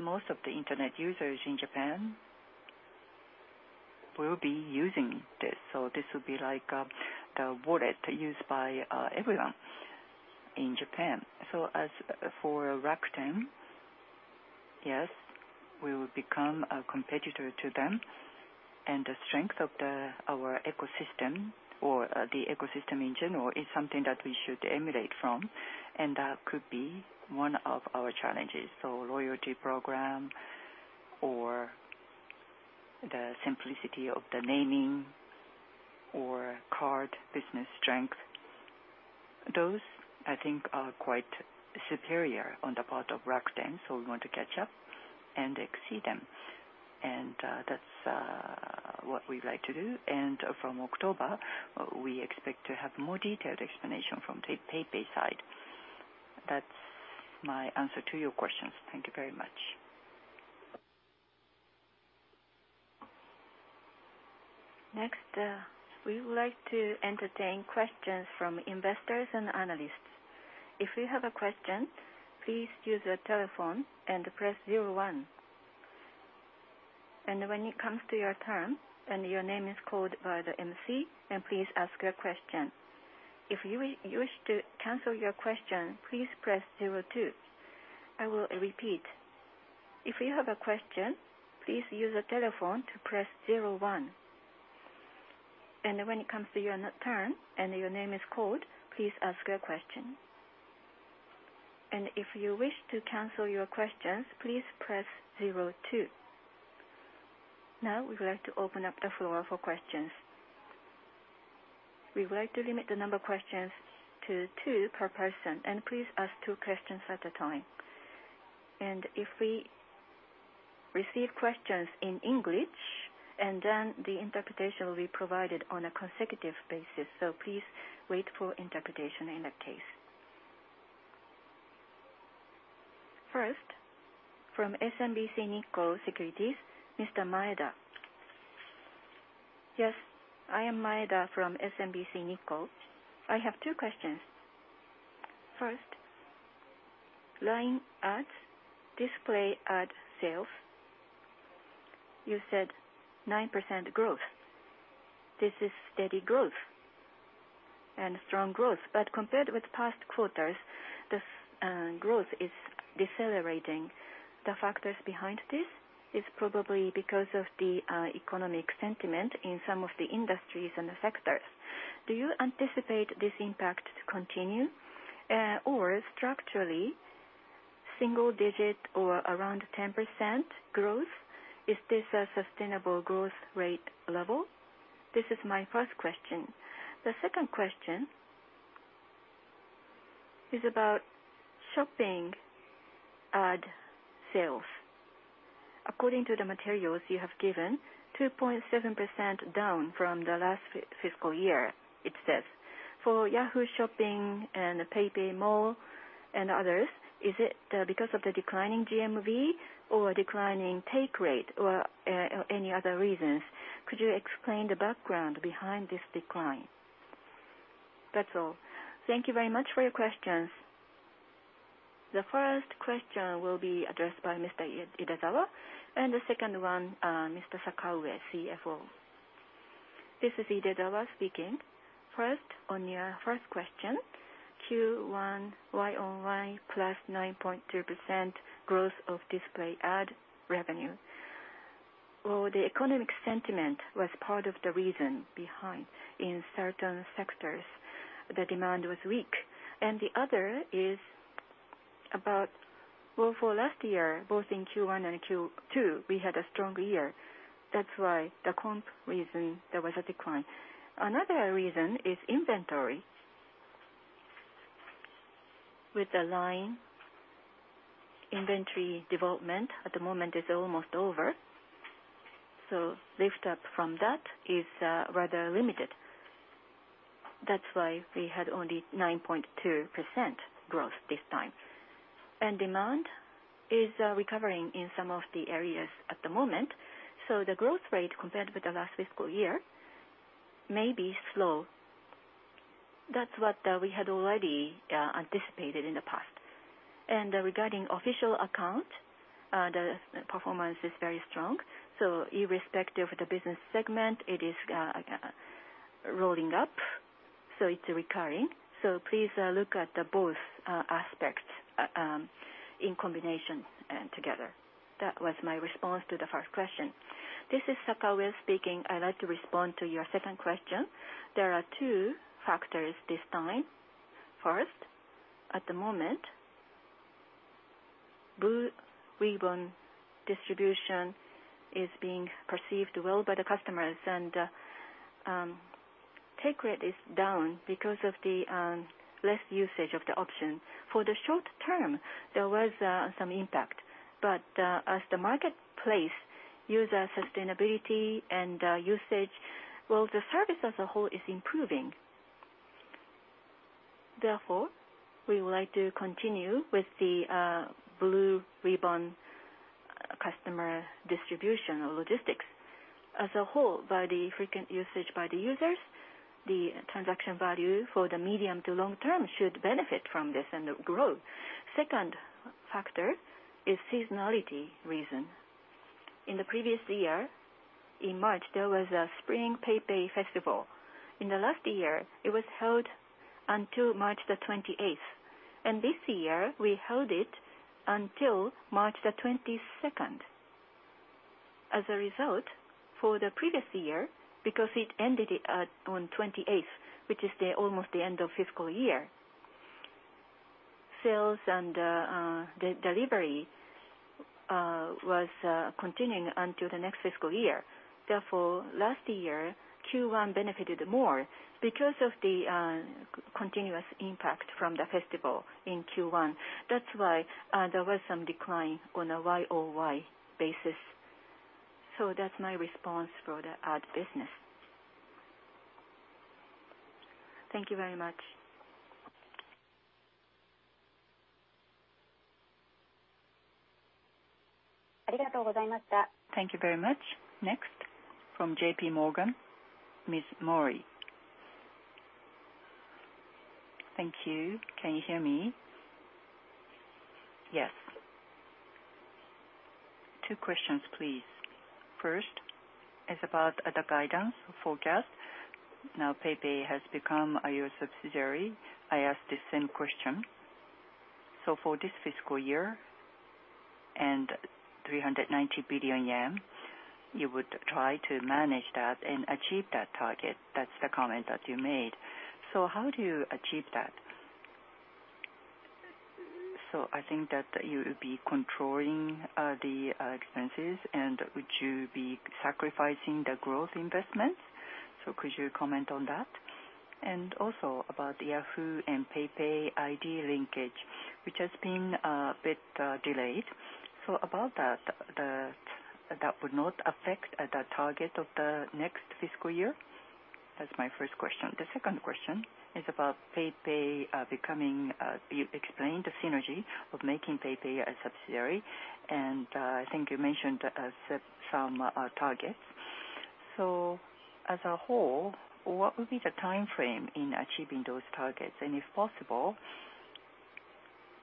most of the internet users in Japan will be using this. This will be like the wallet used by everyone in Japan. As for Rakuten, yes, we will become a competitor to them, and the strength of our ecosystem or the ecosystem in general is something that we should emulate from, and that could be one of our challenges. Loyalty program or the simplicity of the naming or card business strength, those I think are quite superior on the part of Rakuten, so we want to catch up and exceed them. That's what we'd like to do. From October, we expect to have more detailed explanation from the PayPay side. That's my answer to your questions. Thank you very much. Next, we would like to entertain questions from investors and analysts. If you have a question, please use your telephone and press zero one. When it comes to your turn and your name is called by the MC, then please ask your question. If you wish to cancel your question, please press zero two. I will repeat. If you have a question, please use the telephone to press zero one. When it comes to your turn and your name is called, please ask your question. If you wish to cancel your questions, please press zero two. Now we would like to open up the floor for questions. We would like to limit the number of questions to two per person, and please ask two questions at a time. If we receive questions in English, then the interpretation will be provided on a consecutive basis. Please wait for interpretation in that case. First, from SMBC Nikko Securities, Mr. Maeda. Yes, I am Maeda from SMBC Nikko. I have two questions. First, LINE Ads, display ad sales, you said 9% growth. This is steady growth and strong growth, but compared with past quarters, this growth is decelerating. The factors behind this is probably because of the economic sentiment in some of the industries and the sectors. Do you anticipate this impact to continue or structurally single digit or around 10% growth? Is this a sustainable growth rate level? This is my first question. The second question is about shopping ad sales. According to the materials you have given, 2.7% down from the last fiscal year, it says. For Yahoo! Shopping and PayPay Mall and others, is it because of the declining GMV or declining take rate or any other reasons? Could you explain the background behind this decline? That's all. Thank you very much for your questions. The first question will be addressed by Mr. Idezawa, and the second one, Mr. Sakaue, CFO. This is Idezawa speaking. First, on your first question, Q1 YoY +9.2% growth of display ad revenue. Well, the economic sentiment was part of the reason behind in certain sectors, the demand was weak. The other is about, well, for last year, both in Q1 and Q2, we had a strong year. That's why the comp reason there was a decline. Another reason is inventory. With LINE, inventory development at the moment is almost over, so lift up from that is rather limited. That's why we had only 9.2% growth this time. Demand is recovering in some of the areas at the moment, so the growth rate compared with the last fiscal year may be slow. That's what we had already anticipated in the past. Regarding official account, the performance is very strong. Irrespective of the business segment, it is rolling up, so it's recurring. Please look at the both aspects in combination and together. That was my response to the first question. This is Sakaue speaking. I'd like to respond to your second question. There are two factors this time. First, at the moment, Blue Ribbon distribution is being perceived well by the customers, and take rate is down because of the less usage of the option. For the short term, there was some impact, but as the marketplace user sustainability and usage, well, the service as a whole is improving. Therefore, we would like to continue with the Blue Ribbon customer distribution or logistics. As a whole, by the frequent usage by the users, the transaction value for the medium to long term should benefit from this and grow. Second factor is seasonality reason. In the previous year, in March, there was a spring PayPay Festival. In the last year, it was held until March 28th, and this year we held it until March 22nd. As a result, for the previous year, because it ended at, on 28th, which is almost the end of fiscal year, sales and delivery was continuing until the next fiscal year. Therefore, last year, Q1 benefited more because of the continuous impact from the festival in Q1. That's why, there was some decline on a year-over-year basis. That's my response for the ad business. Thank you very much. Thank you very much. Next, from JP Morgan, Ms. Mori. Thank you. Can you hear me? Yes. Two questions, please. First is about the guidance forecast. Now, PayPay has become your subsidiary. I ask the same question. For this fiscal year and 390 billion yen, you would try to manage that and achieve that target. That's the comment that you made. How do you achieve that? I think that you will be controlling the expenses and would you be sacrificing the growth investments. Could you comment on that? Also about the Yahoo and PayPay ID linkage, which has been a bit delayed. About that would not affect the target of the next fiscal year? That's my first question. The second question is about PayPay becoming. You explained the synergy of making PayPay a subsidiary, and I think you mentioned set some targets. As a whole, what would be the timeframe in achieving those targets? And if possible,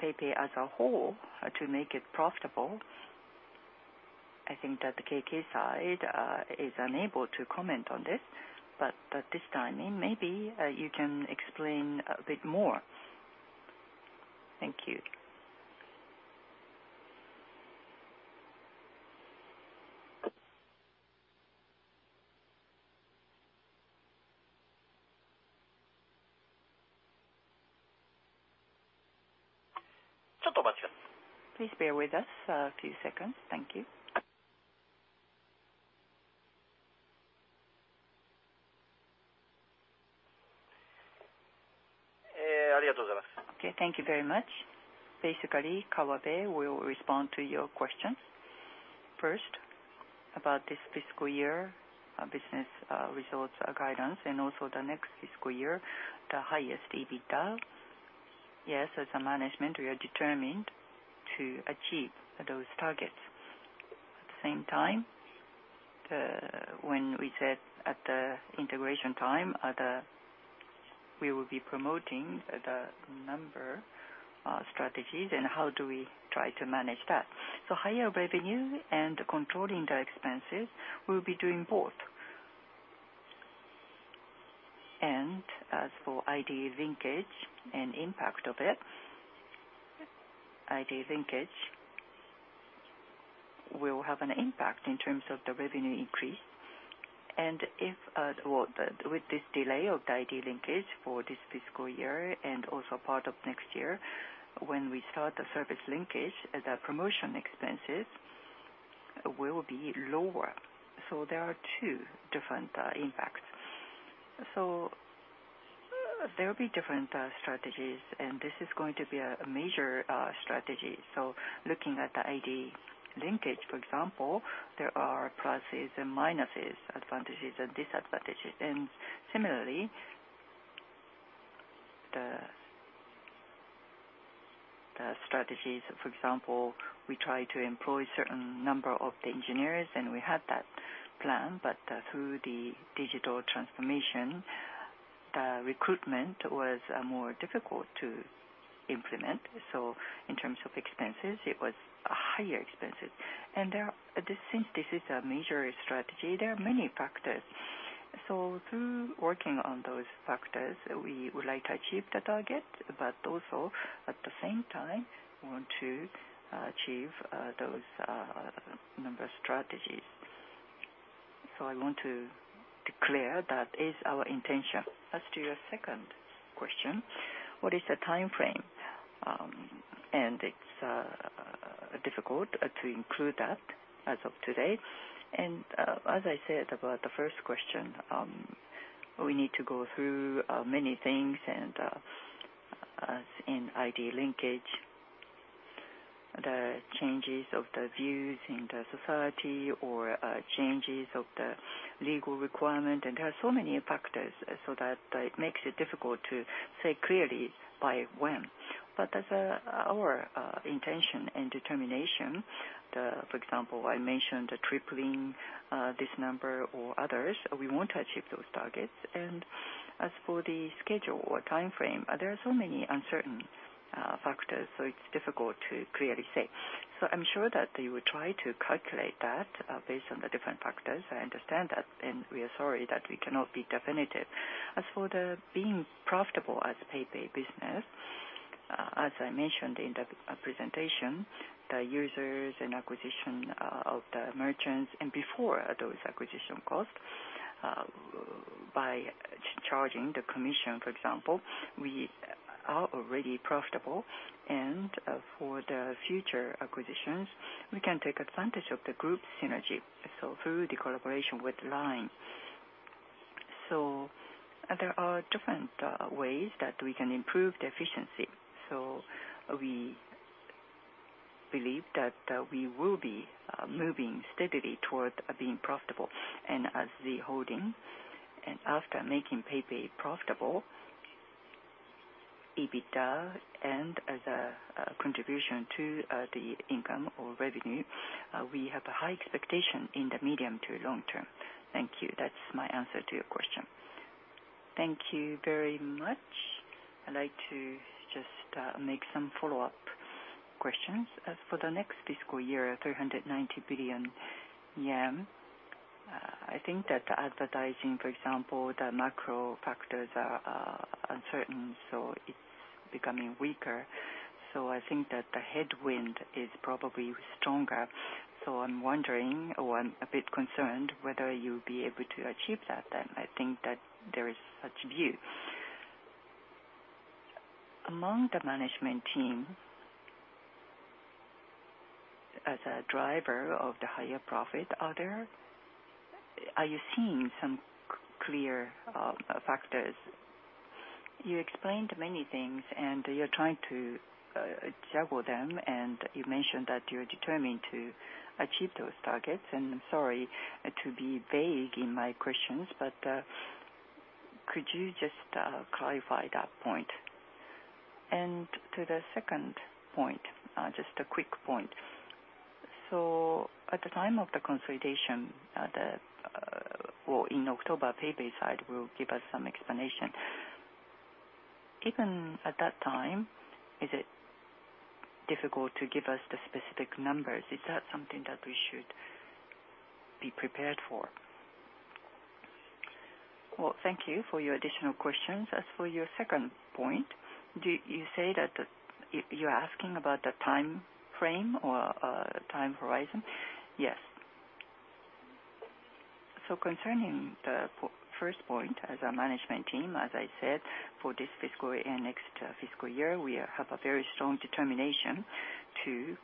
PayPay as a whole, to make it profitable, I think that the KK side is unable to comment on this, but at this timing, maybe you can explain a bit more. Thank you. Please bear with us a few seconds. Thank you. Okay, thank you very much. Basically, Kawabe will respond to your questions. First, about this fiscal year, business, results, guidance, and also the next fiscal year, the highest EBITDA. Yes, as a management, we are determined to achieve those targets. At the same time, when we said at the integration time, the, we will be promoting the number, strategies and how do we try to manage that. So higher revenue and controlling the expenses, we'll be doing both. As for ID linkage and impact of it, ID linkage will have an impact in terms of the revenue increase. If, with this delay of the ID linkage for this fiscal year and also part of next year, when we start the service linkage, the promotion expenses will be lower. There are two different impacts. There will be different strategies, and this is going to be a major strategy. Looking at the ID linkage, for example, there are pluses and minuses, advantages and disadvantages. Similarly, the strategies, for example, we try to employ certain number of the engineers, and we had that plan, but through the digital transformation, the recruitment was more difficult to implement. In terms of expenses, it was higher expenses. Since this is a major strategy, there are many factors. Through working on those factors, we would like to achieve the target, but also at the same time, want to achieve those number of strategies. I want to declare that is our intention. As to your second question, what is the timeframe? It's difficult to include that as of today. As I said about the first question, we need to go through many things and, as in ID linkage, the changes of the views in the society or, changes of the legal requirement, and there are so many factors, so that it makes it difficult to say clearly by when. As our intention and determination, for example, I mentioned tripling this number or others, we want to achieve those targets. As for the schedule or timeframe, there are so many uncertain factors, so it's difficult to clearly say. I'm sure that you will try to calculate that, based on the different factors. I understand that, and we are sorry that we cannot be definitive. As for the being profitable as PayPay business, as I mentioned in the presentation, the users and acquisition of the merchants and before those acquisition costs, by charging the commission, for example, we are already profitable. For the future acquisitions, we can take advantage of the group synergy, so through the collaboration with LINE. There are different ways that we can improve the efficiency. We believe that we will be moving steadily toward being profitable and as the holding and after making PayPay profitable, EBITDA and as a contribution to the income or revenue, we have a high expectation in the medium to long term. Thank you. That's my answer to your question. Thank you very much. I'd like to just make some follow-up questions. As for the next fiscal year, 390 billion yen, I think that advertising, for example, the macro factors are uncertain, so it's becoming weaker. I think that the headwind is probably stronger. I'm wondering or I'm a bit concerned whether you'll be able to achieve that then. I think that there is such view. Among the management team, as a driver of the higher profit, are you seeing some clear factors? You explained many things and you're trying to juggle them, and you mentioned that you're determined to achieve those targets, and I'm sorry to be vague in my questions, but could you just clarify that point? To the second point, just a quick point. So at the time of the consolidation, in October, PayPay side will give us some explanation. Even at that time, is it difficult to give us the specific numbers? Is that something that we should be prepared for? Well, thank you for your additional questions. As for your second point, do you say that, you're asking about the timeframe or time horizon? Yes. Concerning the first point, as a management team, as I said, for this fiscal year and next fiscal year, we have a very strong determination to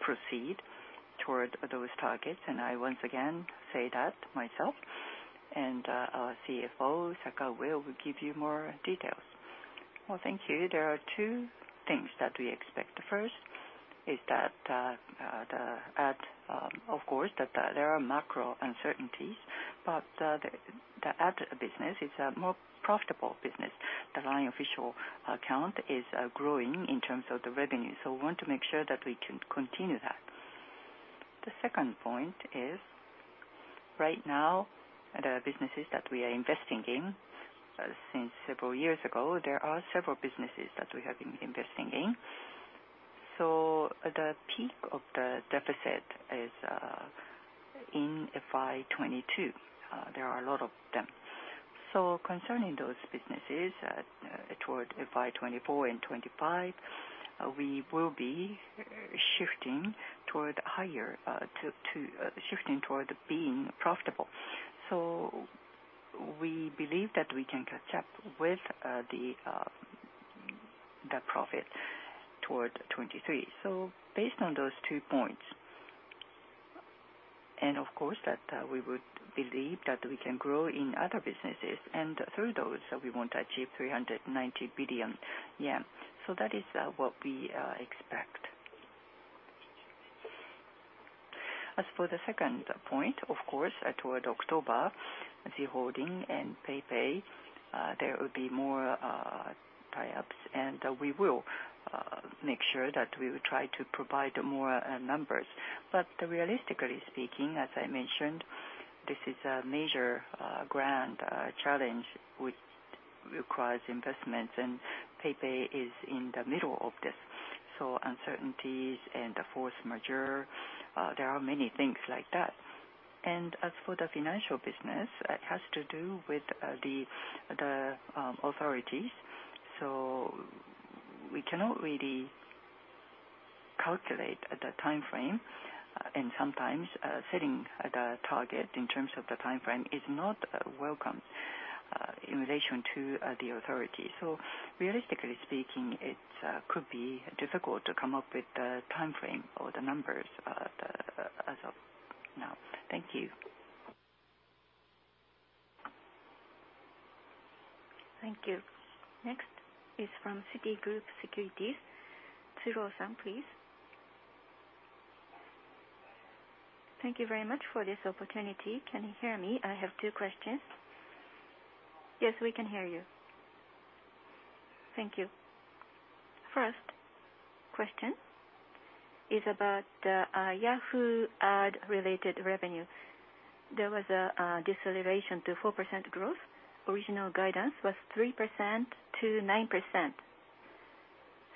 proceed toward those targets, and I once again say that myself and our CFO, Sakaue, will give you more details. Well, thank you. There are two things that we expect. First is that the ad, of course, that there are macro uncertainties, but the ad business is a more profitable business. The LINE Official Account is growing in terms of the revenue, so we want to make sure that we can continue that. The second point is right now, the businesses that we are investing in since several years ago, there are several businesses that we have been investing in. The peak of the deficit is in FY 2022. There are a lot of them. Concerning those businesses, toward FY 2024 and 2025, we will be shifting toward being profitable. We believe that we can catch up with the profit toward 2023. Based on those two points, and of course, we would believe that we can grow in other businesses, and through those, we want to achieve 390 billion yen. That is what we expect. As for the second point, of course, toward October, the holding and PayPay, there will be more tie-ups, and we will make sure that we will try to provide more numbers. But realistically speaking, as I mentioned, this is a major grand challenge which requires investments, and PayPay is in the middle of this. Uncertainties and the force majeure, there are many things like that. As for the financial business, it has to do with the authorities. We cannot really calculate the timeframe, and sometimes setting the target in terms of the timeframe is not welcome in relation to the authority. Realistically speaking, it could be difficult to come up with the timeframe or the numbers as of now. Thank you. Thank you. Next is from Citigroup Securities, Tsuru-san, please. Thank you very much for this opportunity. Can you hear me? I have two questions. Yes, we can hear you. Thank you. First question is about Yahoo Ads-related revenue. There was a deceleration to 4% growth. Original guidance was 3%-9%.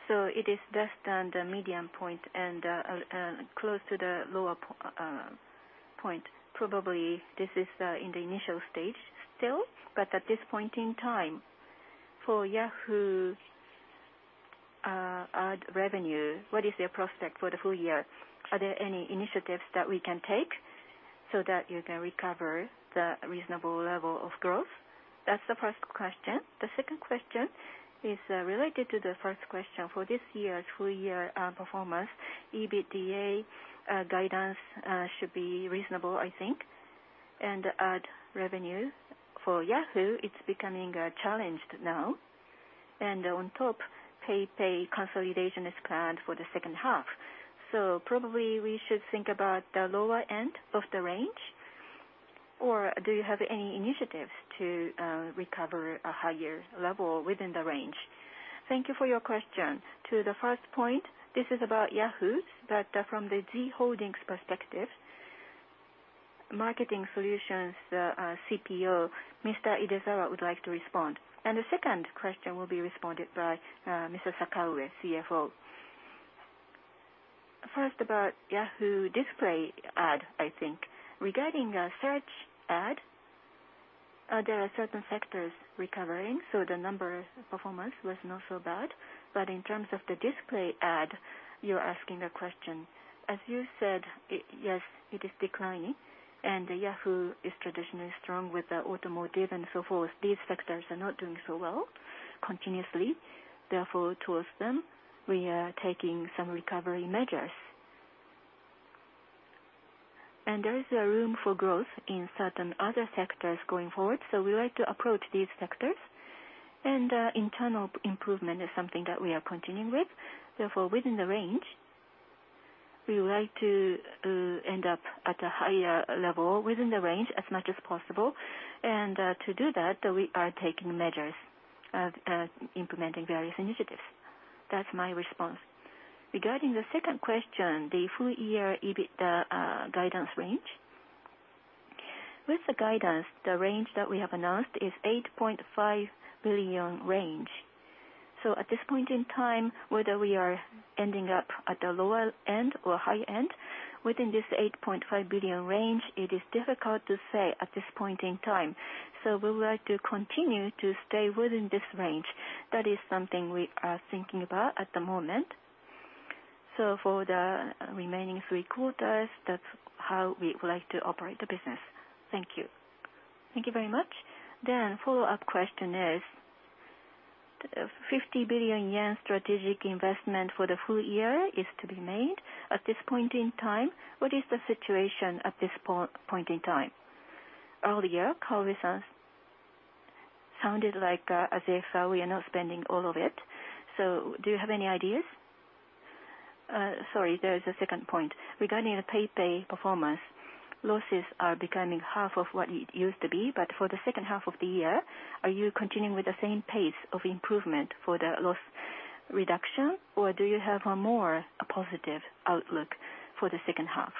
It is just on the midpoint and close to the lower point. Probably this is in the initial stage still, but at this point in time, for Yahoo Ads revenue, what is your prospect for the full year? Are there any initiatives that we can take so that you can recover the reasonable level of growth? That's the first question. The second question is related to the first question. For this year, full year performance, EBITDA guidance should be reasonable, I think. Ad revenue for Yahoo, it's becoming challenged now. On top, PayPay consolidation is planned for the second half. Probably we should think about the lower end of the range. Do you have any initiatives to recover a higher level within the range? Thank you for your question. To the first point, this is about Yahoo, but from the Z Holdings perspective, Marketing Solutions, CPO, Mr. Idezawa would like to respond. The second question will be responded by, Mr. Sakaue, CFO. First, about Yahoo Display ads, I think. Regarding search ad, there are certain factors recovering, so the numbers performance was not so bad. In terms of the Display ads, you're asking a question. As you said, yes, it is declining, and Yahoo is traditionally strong with the automotive and so forth. These sectors are not doing so well continuously. Therefore, towards them, we are taking some recovery measures. There is room for growth in certain other sectors going forward. We would like to approach these sectors. Internal improvement is something that we are continuing with. Therefore, within the range, we would like to end up at a higher level within the range as much as possible. To do that, we are taking measures, implementing various initiatives. That's my response. Regarding the second question, the full year EBIT guidance range. With the guidance, the range that we have announced is 8.5 billion range. So at this point in time, whether we are ending up at the lower end or high end, within this 8.5 billion range, it is difficult to say at this point in time. So we would like to continue to stay within this range. That is something we are thinking about at the moment. So for the remaining three quarters, that's how we would like to operate the business. Thank you. Thank you very much. Follow-up question is, 50 billion yen strategic investment for the full year is to be made. At this point in time, what is the situation at this point in time? Earlier, Sakaue-san sounded like, as if, we are not spending all of it. Do you have any ideas? Sorry, there is a second point. Regarding the PayPay performance, losses are becoming half of what it used to be. For the second half of the year, are you continuing with the same pace of improvement for the loss reduction or do you have a more positive outlook for the second half?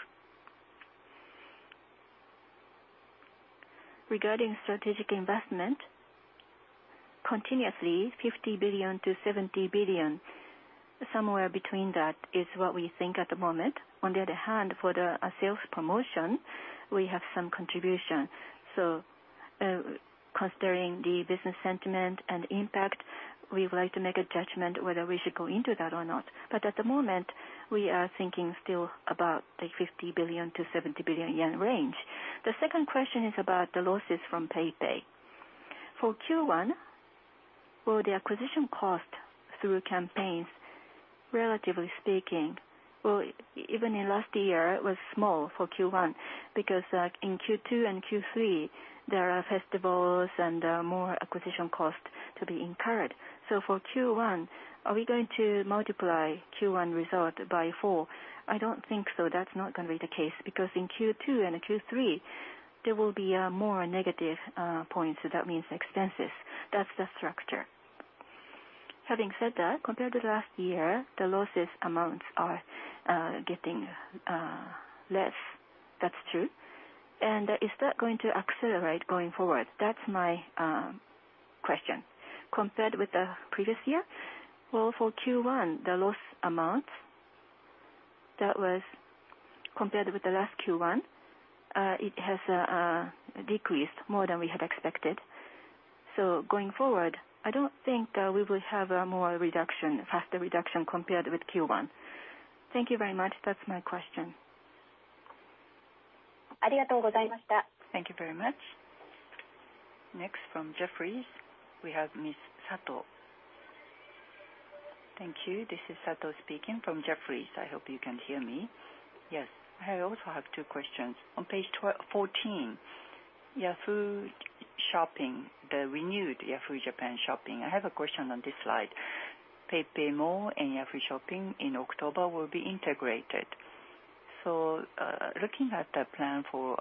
Regarding strategic investment. Currently 50 billion-70 billion. Somewhere between that is what we think at the moment. On the other hand, for the sales promotion, we have some contribution. Considering the business sentiment and impact, we would like to make a judgment whether we should go into that or not. At the moment, we are thinking still about the 50 billion-70 billion yen range. The second question is about the losses from PayPay. For Q1, for the acquisition cost through campaigns, relatively speaking, well, even in last year, it was small for Q1 because in Q2 and Q3 there are festivals and more acquisition costs to be incurred. For Q1, are we going to multiply Q1 result by 4? I don't think so. That's not gonna be the case, because in Q2 and Q3 there will be more negative points. That means expenses. That's the structure. Having said that, compared to last year, the losses amounts are getting less. That's true. Is that going to accelerate going forward? That's my question. Compared with the previous year, well, for Q1, the loss amount that was compared with the last Q1, it has decreased more than we had expected. Going forward, I don't think we will have more reduction, faster reduction compared with Q1. Thank you very much. That's my question. Thank you very much. Next from Jefferies, we have Ms. Sato. Thank you. This is Sato speaking from Jefferies. I hope you can hear me. Yes. I also have two questions. On page 12-14, Yahoo! Shopping, the renewed Yahoo! JAPAN Shopping. I have a question on this slide. PayPay Mall and Yahoo! Shopping in October will be integrated. Looking at the plan for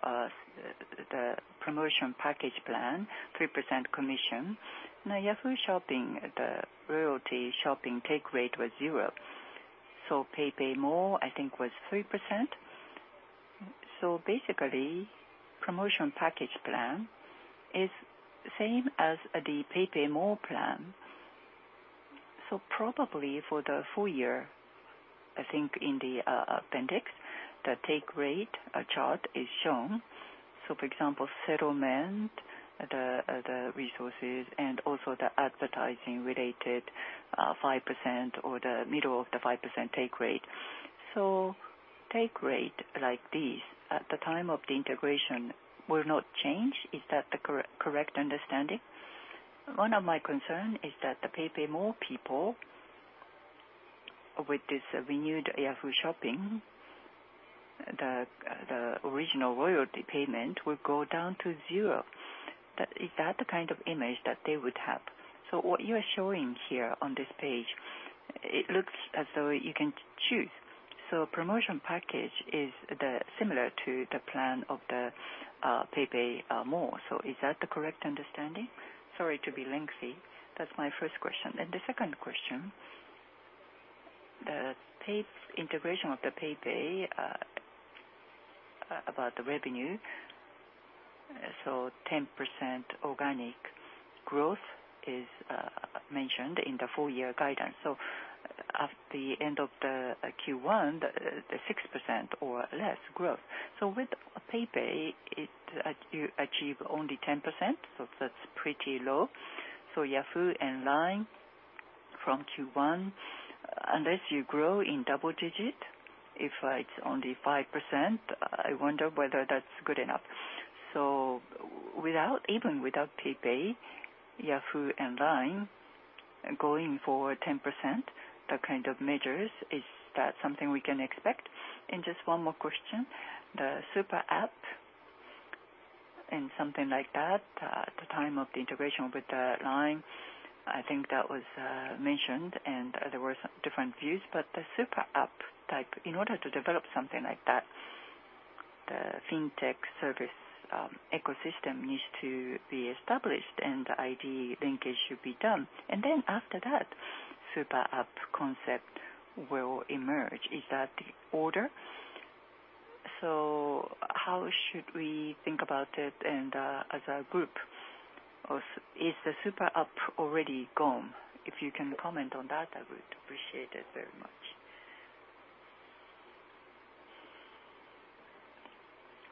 the promotion package plan, 3% commission. Now, Yahoo! Shopping, the Yahoo! Shopping take rate was zero. PayPay Mall, I think, was 3%. Basically, promotion package plan is same as the PayPay Mall plan. Probably for the full year, I think in the appendix, the take rate chart is shown. For example, settlement, the revenues and also the advertising-related 5% or the middle of the 5% take rate. Take rate like this at the time of the integration will not change. Is that the correct understanding? One of my concern is that the PayPay Mall people with this renewed Yahoo! Shopping, the original royalty payment will go down to zero. That is the kind of image that they would have? What you are showing here on this page, it looks as though you can choose. Promotion package is similar to the plan of the PayPay Mall. Is that the correct understanding? Sorry to be lengthy. That's my first question. The second question, the PayPay integration about the revenue. 10% organic growth is mentioned in the full year guidance. At the end of the Q1, the 6% or less growth. With PayPay, you achieve only 10%, that's pretty low. Yahoo and LINE from Q1, unless you grow in double-digit, if it's only 5%, I wonder whether that's good enough. Without, even without PayPay, Yahoo and LINE going for 10%, the kind of measures, is that something we can expect? Just one more question. The super app and something like that, at the time of the integration with the LINE, I think that was mentioned and there were some different views. The super app type, in order to develop something like that, the fintech service ecosystem needs to be established and the ID linkage should be done. Then after that, super app concept will emerge. Is that the order? How should we think about it and, as a group? Or is the super app already gone? If you can comment on that, I would appreciate it very much.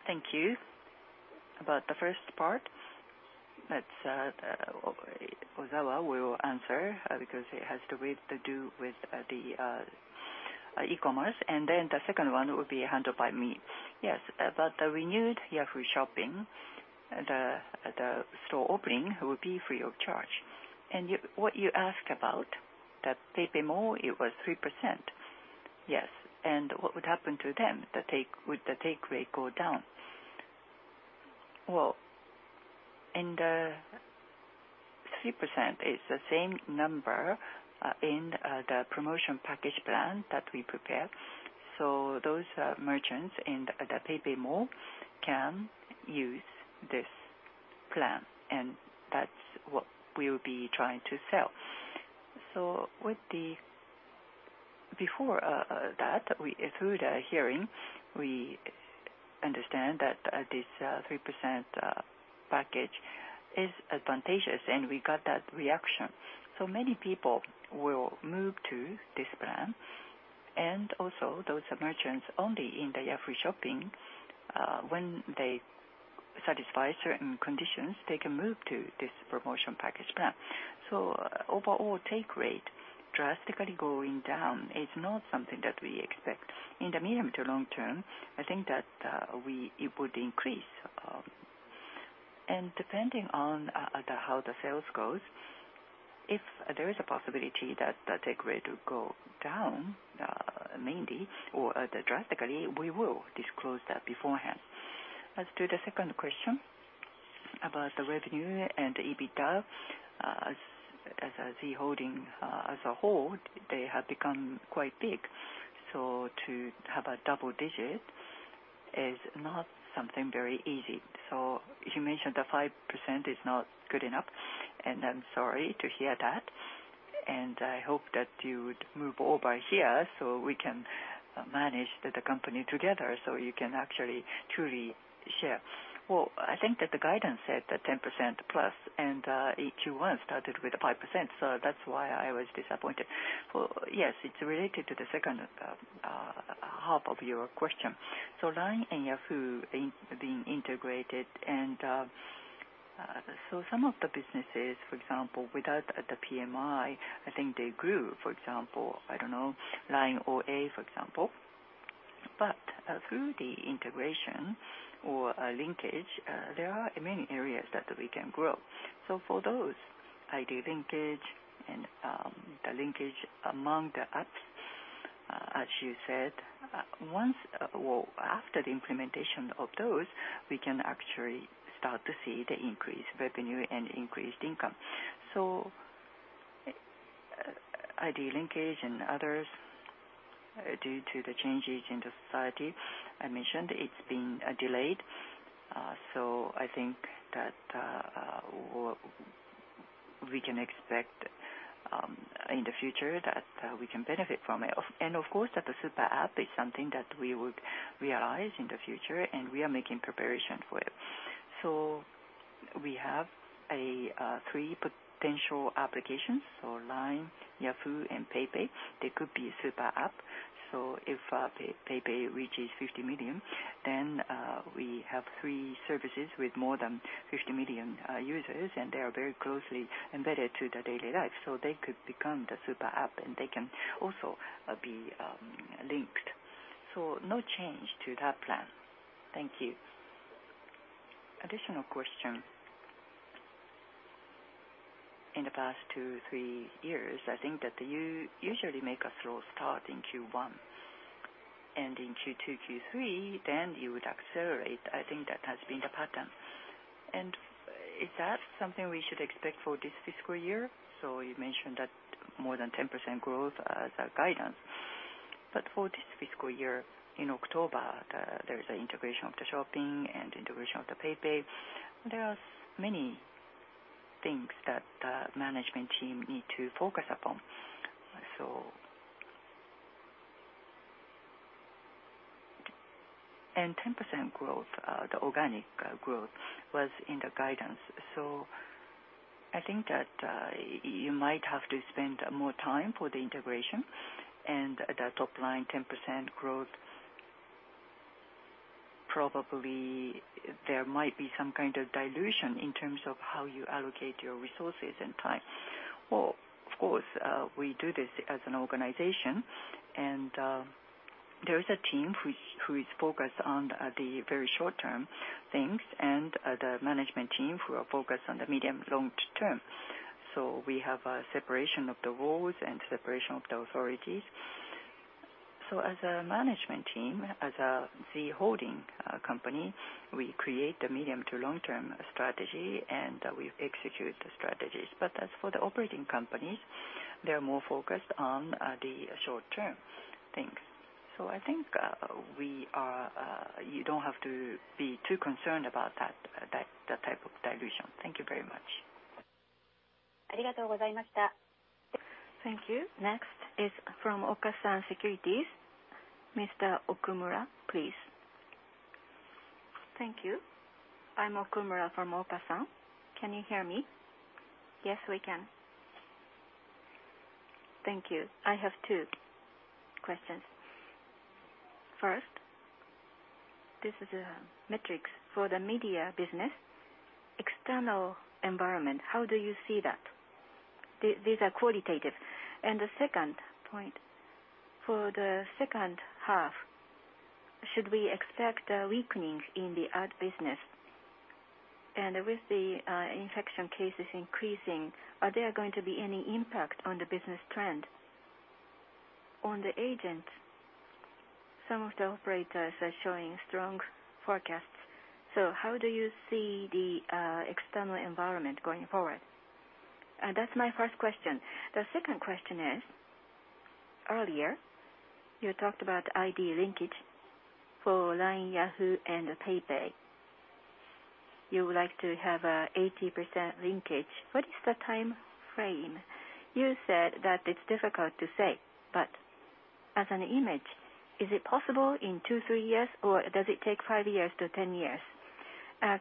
Thank you. About the first part that Ozawa will answer because it has to do with the e-commerce, and then the second one will be handled by me. Yes. About the renewed Yahoo! Shopping, the store opening will be free of charge. What you ask about the PayPay Mall, it was 3%. Yes. What would happen to them, the take, would the take rate go down? Well, 3% is the same number in the promotion package plan that we prepared. So those merchants in the PayPay Mall can use this plan, and that's what we will be trying to sell. So with the, before that, through the hearing, we understand that this 3% package is advantageous, and we got that reaction. Many people will move to this plan. Those merchants only in Yahoo! Shopping, when they satisfy certain conditions, they can move to this promotion package plan. Overall take rate drastically going down is not something that we expect. In the medium to long term, I think that it would increase. Depending on how the sales go, if there is a possibility that the take rate will go down mainly or drastically, we will disclose that beforehand. As to the second question about the revenue and EBITDA, as a Z Holdings, as a whole, they have become quite big. To have a double-digit is not something very easy. You mentioned the 5% is not good enough, and I'm sorry to hear that, and I hope that you would move over here so we can manage the company together, so you can actually truly share. I think that the guidance said that 10%+ and Q1 started with 5%, so that's why I was disappointed. Yes, it's related to the second half of your question. LINE and Yahoo being integrated and so some of the businesses, for example, without the PMI, I think they grew. For example, I don't know, LINE OA, for example. Through the integration or linkage, there are many areas that we can grow. For those ID linkage and the linkage among the apps, as you said, once or after the implementation of those, we can actually start to see the increased revenue and increased income. ID linkage and others due to the changes in the society I mentioned, it's been delayed. I think that we can expect in the future that we can benefit from it. Of course, that the super app is something that we would realize in the future, and we are making preparations for it. We have three potential applications, so LINE, Yahoo and PayPay. They could be super app. If PayPay reaches 50 million, then we have three services with more than 50 million users, and they are very closely embedded to the daily life. They could become the super app, and they can also be linked. No change to that plan. Thank you. Additional question. In the past two, three years, I think that you usually make a slow start in Q1. In Q2, Q3, then you would accelerate. I think that has been the pattern. Is that something we should expect for this fiscal year? You mentioned that more than 10% growth as a guidance. For this fiscal year, in October, there is an integration of the shopping and integration of the PayPay. There are many things that the management team need to focus upon. 10% growth, the organic growth was in the guidance. I think that you might have to spend more time for the integration and the top LINE 10% growth, probably there might be some kind of dilution in terms of how you allocate your resources and time. Well, of course, we do this as an organization, and there is a team who is focused on the very short-term things and the management team who are focused on the medium to long term. We have a separation of the roles and separation of the authorities. As a management team, as a Z Holdings company, we create the medium to long-term strategy, and we execute the strategies. As for the operating companies, they are more focused on the short-term things. I think you don't have to be too concerned about that type of dilution. Thank you very much. Thank you. Next is from Okasan Securities. Mr. Okumura, please. Thank you. I'm Okumura from Okasan. Can you hear me? Yes, we can. Thank you. I have two questions. First, this is metrics for the Media Business. External environment, how do you see that? These are qualitative. The second point, for the second half, should we expect a weakening in the ad business? With the infection cases increasing, are there going to be any impact on the business trend? On the agent, some of the operators are showing strong forecasts. How do you see the external environment going forward? That's my first question. The second question is, earlier, you talked about ID linkage for LINE, Yahoo and PayPay. You would like to have 80% linkage. What is the time frame? You said that it's difficult to say, but as an image, is it possible in two to three years, or does it take five years to 10 years?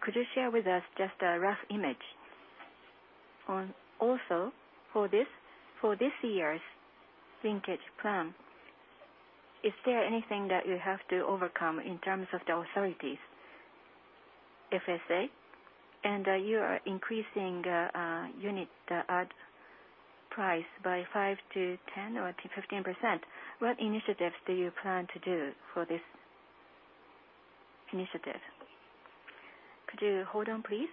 Could you share with us just a rough image? And also for this year's linkage plan, is there anything that you have to overcome in terms of the authorities, FSA? You are increasing unit ad price by 5%-10% or 15%. What initiatives do you plan to do for this initiative? Could you hold on, please?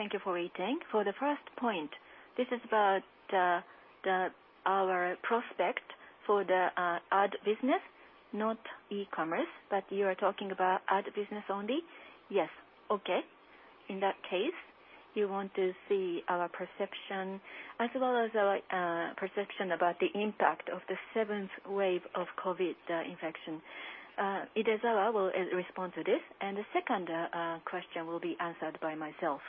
Thank you for waiting. For the first point, this is about our prospect for the ad business, not e-commerce, but are you talking about ad business only? Yes. Okay. In that case, you want to see our perception as well as perception about the impact of the seventh wave of COVID infection. Idezawa will respond to this, and the second question will be answered by myself.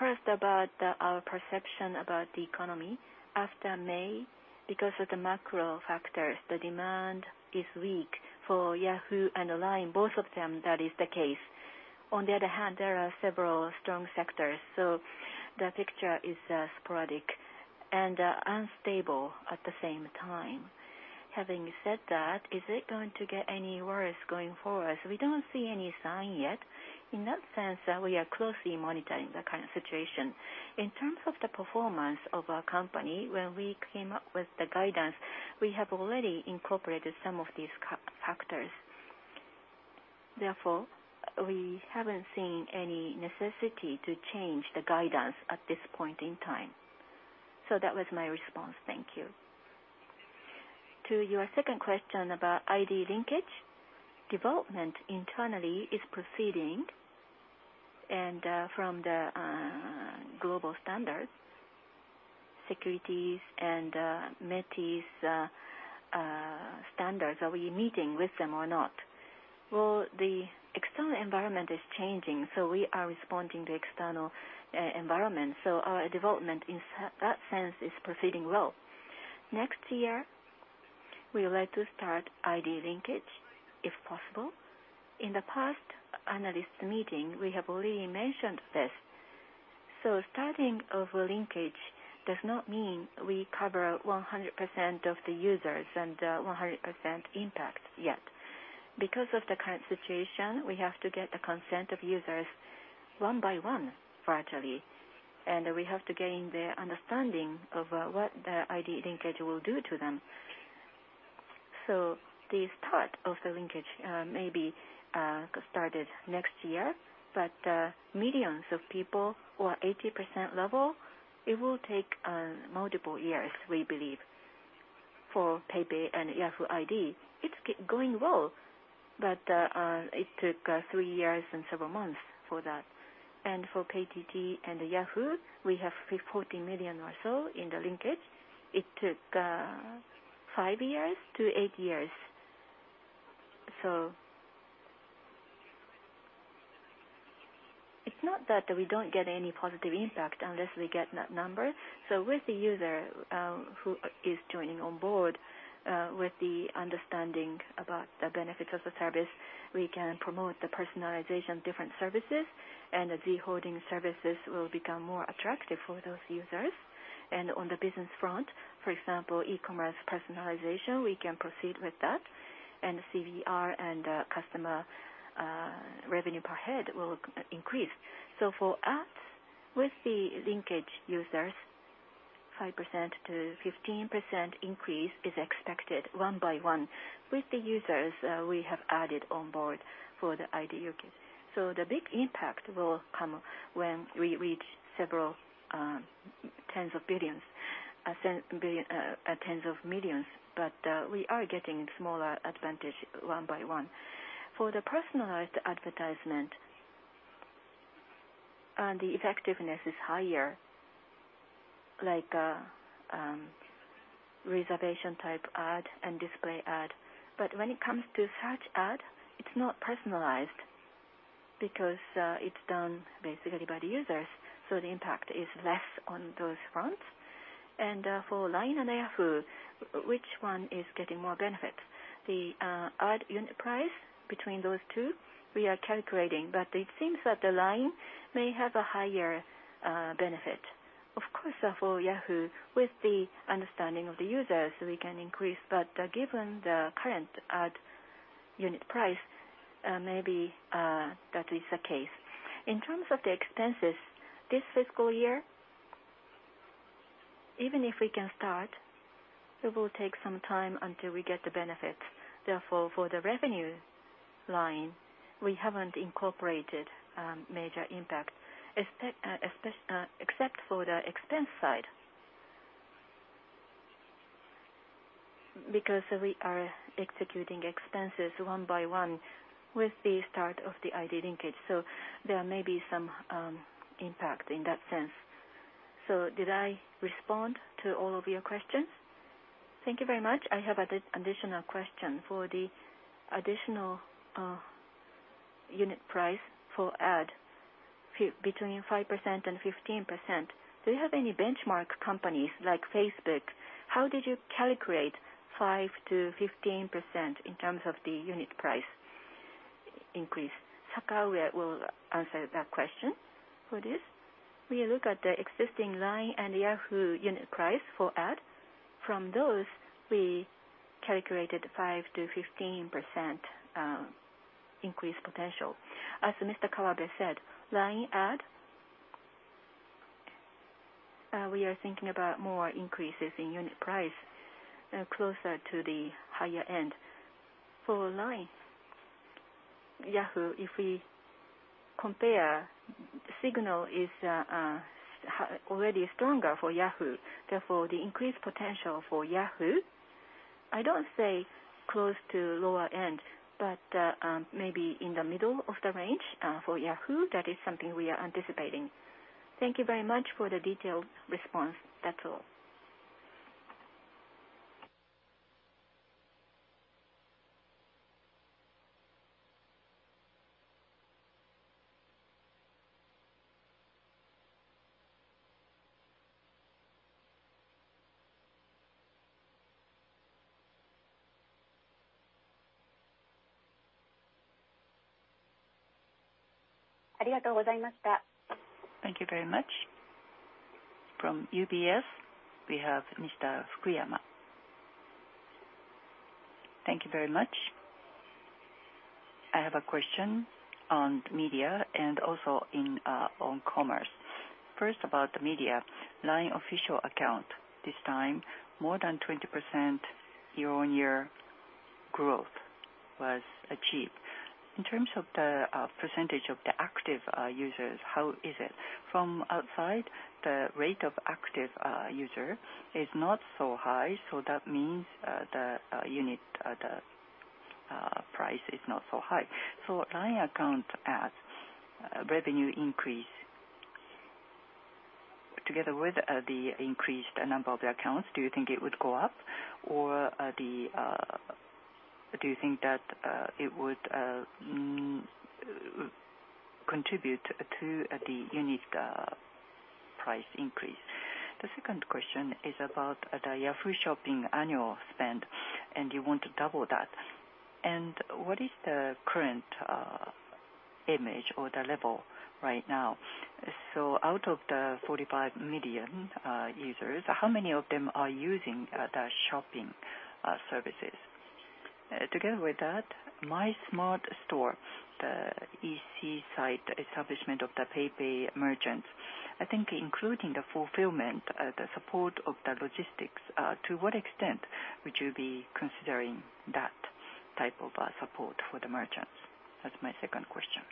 First, about our perception about the economy. After May, because of the macro factors, the demand is weak for Yahoo and LINE, both of them, that is the case. On the other hand, there are several strong sectors, so the picture is sporadic and unstable at the same time. Having said that, is it going to get any worse going forward? We don't see any sign yet. In that sense, we are closely monitoring the current situation. In terms of the performance of our company, when we came up with the guidance, we have already incorporated some of these macro factors. Therefore, we haven't seen any necessity to change the guidance at this point in time. That was my response. Thank you. To your second question about ID linkage, development internally is proceeding and from the global standards, securities and METI's standards, are we meeting with them or not? Well, the external environment is changing, so we are responding to external environment. Our development in sense is proceeding well. Next year, we would like to start ID linkage, if possible. In the past analyst meeting, we have already mentioned this. Starting of a linkage does not mean we cover 100% of the users and 100% impact yet. Because of the current situation, we have to get the consent of users one by one, virtually. We have to gain their understanding of what the ID linkage will do to them. The start of the linkage may be started next year. Millions of people or 80% level, it will take multiple years, we believe, for PayPay and Yahoo ID. It's going well, but it took three years and several months for that. For PayPay and Yahoo, we have 14 million or so in the linkage. It took five years to eight years years. It's not that we don't get any positive impact unless we get that number. With the user who is joining on board with the understanding about the benefits of the service, we can promote the personalization of different services, and the Z Holdings services will become more attractive for those users. On the business front, for example, e-commerce personalization, we can proceed with that. The CVR and customer revenue per head will increase. For ads, with the linkage users, 5%-15% increase is expected one by one with the users we have added on board for the ID linkage. The big impact will come when we reach several tens of millions. But we are getting smaller advantage one by one. For the personalized advertisement, the effectiveness is higher, like, reservation type ad and display ad. When it comes to search ad, it's not personalized because it's done basically by the users, so the impact is less on those fronts. For LINE and Yahoo, which one is getting more benefit? The ad unit price between those two, we are calculating, but it seems that the LINE may have a higher benefit. Of course, for Yahoo, with the understanding of the users, we can increase. Given the current ad unit price, maybe that is the case. In terms of the expenses, this fiscal year. Even if we can start, it will take some time until we get the benefits. Therefore, for the revenue line, we haven't incorporated major impact, except for the expense side. Because we are executing expenses one by one with the start of the ID linkage, so there may be some impact in that sense. Did I respond to all of your questions? Thank you very much. I have additional question. For the additional unit price for ads between 5% and 15%, do you have any benchmark companies like Facebook? How did you calculate 5%-15% in terms of the unit price increase? Sakaue will answer that question for this. We look at the existing LINE and Yahoo unit price for ads. From those, we calculated 5%-15% increase potential. As Mr. Kawabe said, LINE ad we are thinking about more increases in unit price closer to the higher end. For LINE, Yahoo, if we compare, signal is already stronger for Yahoo, therefore, the increased potential for Yahoo, I don't say close to lower end, but maybe in the middle of the range for Yahoo, that is something we are anticipating. Thank you very much for the detailed response. That's all. Thank you very much. From UBS, we have Mr. Fukuyama. Thank you very much. I have a question on media and also on commerce. First, about the media, LINE Official Account, this time, more than 20% year-on-year growth was achieved. In terms of the percentage of the active users, how is it? From outside, the rate of active user is not so high, so that means the unit price is not so high. So LINE account ads revenue increase together with the increased number of the accounts, do you think it would go up? Or do you think that it would contribute to the unit price increase? The second question is about the Yahoo! Shopping annual spend, and you want to double that. What is the current image or the level right now? Out of the 45 million users, how many of them are using the shopping services? Together with that, MySmartStore, the EC site establishment of the PayPay merchants, I think including the fulfillment, the support of the logistics, to what extent would you be considering that type of support for the merchants? That's my second question.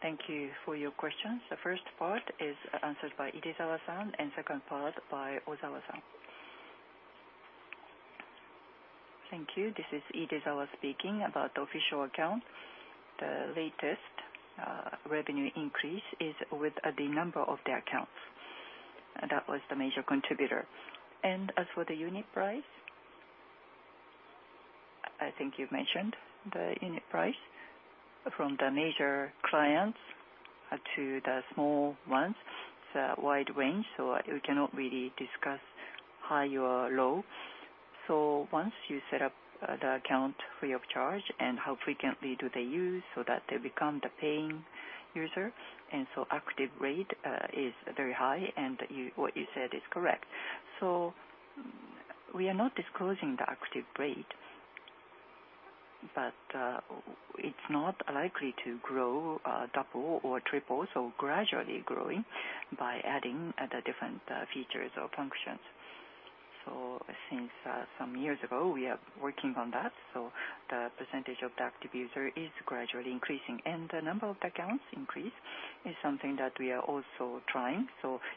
Thank you for your questions. The first part is answered by Idezawa-san, and second part by Ozawa-san. Thank you. This is Idezawa speaking. About official account, the latest revenue increase is with the number of the accounts. That was the major contributor. As for the unit price, I think you've mentioned the unit price from the major clients to the small ones. It's a wide range, so we cannot really discuss high or low. Once you set up the account free of charge and how frequently do they use so that they become the paying user, and so active rate is very high, and you, what you said is correct. We are not disclosing the active rate, but it's not likely to grow double or triple, so gradually growing by adding the different features or functions. Since some years ago, we are working on that, the percentage of the active user is gradually increasing. The number of accounts increase is something that we are also trying.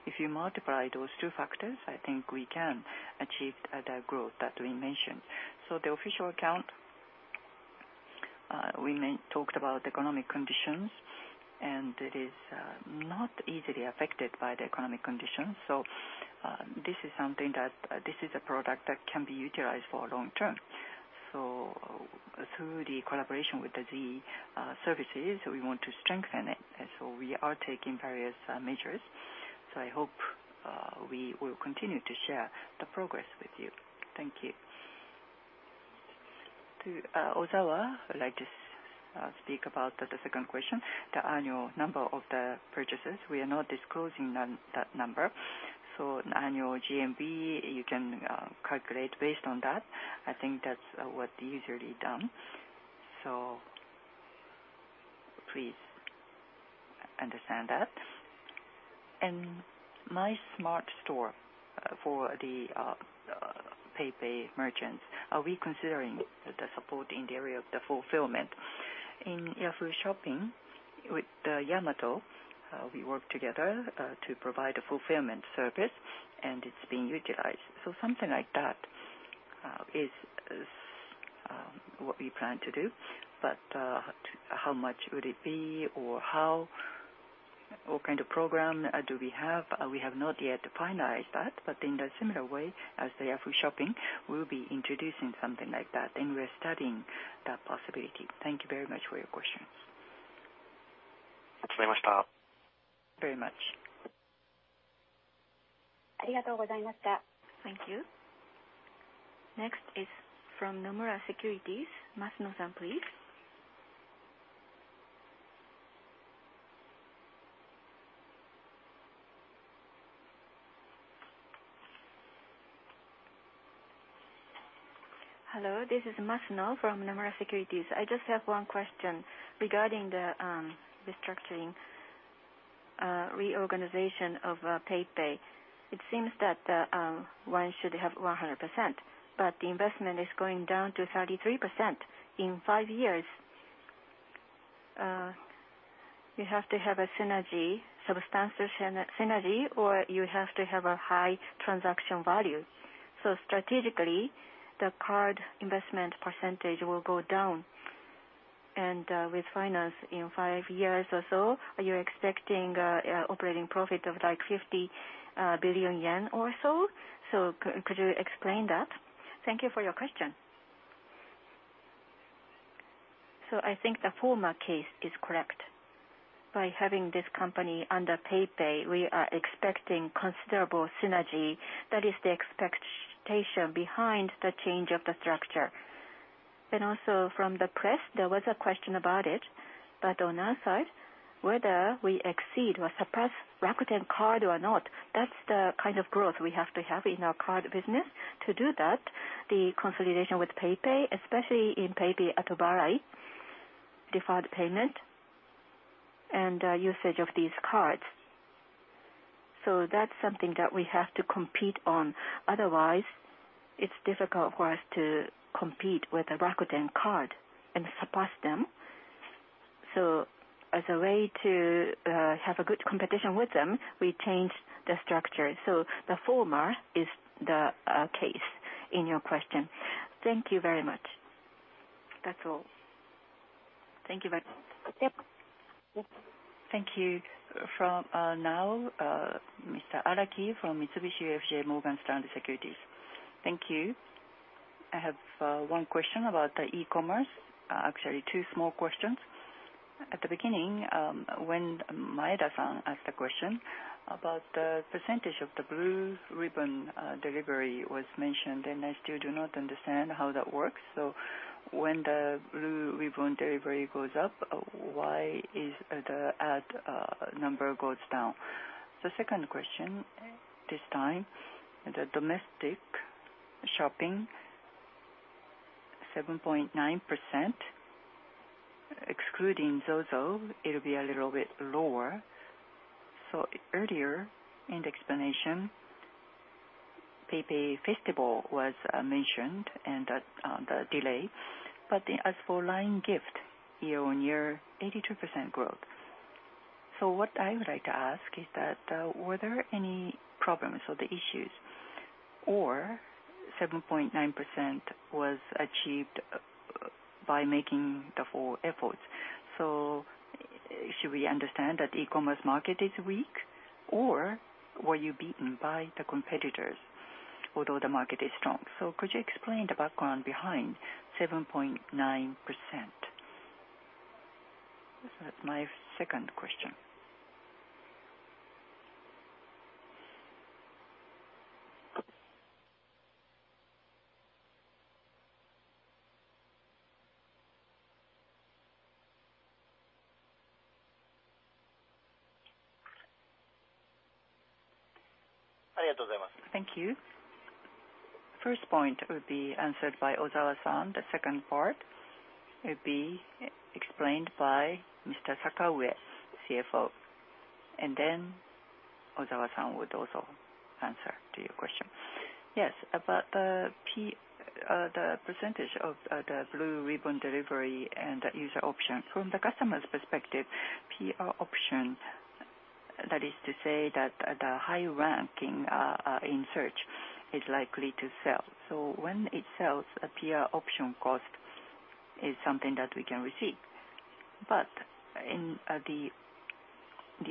If you multiply those two factors, I think we can achieve the growth that we mentioned. The LINE Official Account, we may have talked about economic conditions, and it is not easily affected by the economic conditions. This is a product that can be utilized for long term. Through the collaboration with the Z Holdings services, we want to strengthen it. We are taking various measures. I hope we will continue to share the progress with you. Thank you. Ozawa, I'd like to speak about the second question. The annual number of the purchases, we are not disclosing that number. Annual GMV, you can calculate based on that. I think that's what usually done. Please understand that. MySmartStore for the PayPay merchants, are we considering the support in the area of the fulfillment? In Yahoo! Shopping with Yamato, we work together to provide a fulfillment service, and it's being utilized. Something like that is what we plan to do. How much would it be or how, what kind of program do we have? We have not yet finalized that. In the similar way as the Yahoo! Shopping, we'll be introducing something like that, and we're studying that possibility. Thank you very much for your question. Thank you very much. Thank you. Next is from Nomura Securities, Masuno-san, please. Hello, this is Masuno from Nomura Securities. I just have one question regarding the restructuring, reorganization of PayPay. It seems that one should have 100%, but the investment is going down to 33%. In five years, you have to have a synergy, substantial synergy, or you have to have a high transaction value. Strategically, the card investment percentage will go down. With finance in five years or so, are you expecting operating profit of like 50 billion yen or so? Could you explain that? Thank you for your question. I think the former case is correct. By having this company under PayPay, we are expecting considerable synergy. That is the expectation behind the change of the structure. Also from the press, there was a question about it. On our side, whether we exceed or surpass Rakuten Card or not, that's the kind of growth we have to have in our card business. To do that, the consolidation with PayPay, especially in PayPay Atobarai, deferred payment, and usage of these cards. That's something that we have to compete on. Otherwise, it's difficult for us to compete with a Rakuten Card and surpass them. As a way to have a good competition with them, we changed the structure. The former is the case in your question. Thank you very much. That's all. Thank you. Yep. Thank you. From now, Mr. Araki from Mitsubishi UFJ Morgan Stanley Securities. Thank you. I have one question about the e-commerce, actually two small questions. At the beginning, when Maeda-san asked the question about the percentage of the Blue Ribbon delivery was mentioned, and I still do not understand how that works. When the Blue Ribbon delivery goes up, why is the ad number goes down? The second question, this time, the domestic shopping 7.9%, excluding ZOZO, it will be a little bit lower. Earlier in the explanation, PayPay Festival was mentioned and the delay. As for LINE GIFT, year-on-year 82% growth. What I would like to ask is that, were there any problems or the issues, or 7.9% was achieved by making the full efforts? Should we understand that e-commerce market is weak, or were you beaten by the competitors, although the market is strong? Could you explain the background behind 7.9%? That's my second question. Thank you. First point will be answered by Ozawa-san. The second part will be explained by Mr. Sakaue, CFO. Then Ozawa-san would also answer to your question. Yes. About the percentage of the Blue Ribbon delivery and user option. From the customer's perspective, PR option, that is to say that the high ranking in search is likely to sell. When it sells, a PR option cost is something that we can receive. But in the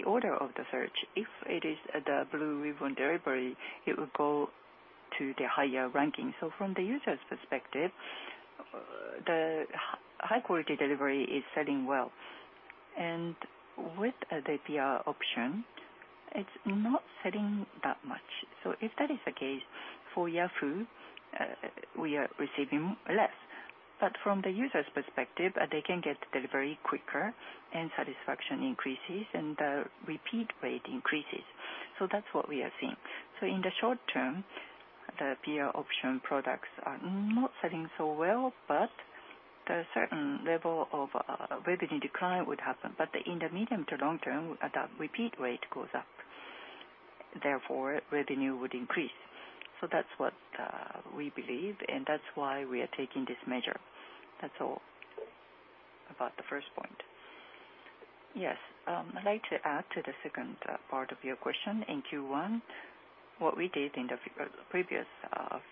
order of the search, if it is the Blue Ribbon delivery, it will go to the higher ranking. From the user's perspective, the high quality delivery is selling well. With the PR option, it's not selling that much. If that is the case, for Yahoo, we are receiving less. From the user's perspective, they can get delivery quicker and satisfaction increases and the repeat rate increases. That's what we are seeing. In the short term, the PR option products are not selling so well, but there are certain level of revenue decline would happen. In the medium to long term, the repeat rate goes up, therefore revenue would increase. That's what we believe, and that's why we are taking this measure. That's all about the first point. Yes. I'd like to add to the second part of your question. In Q1, what we did in the previous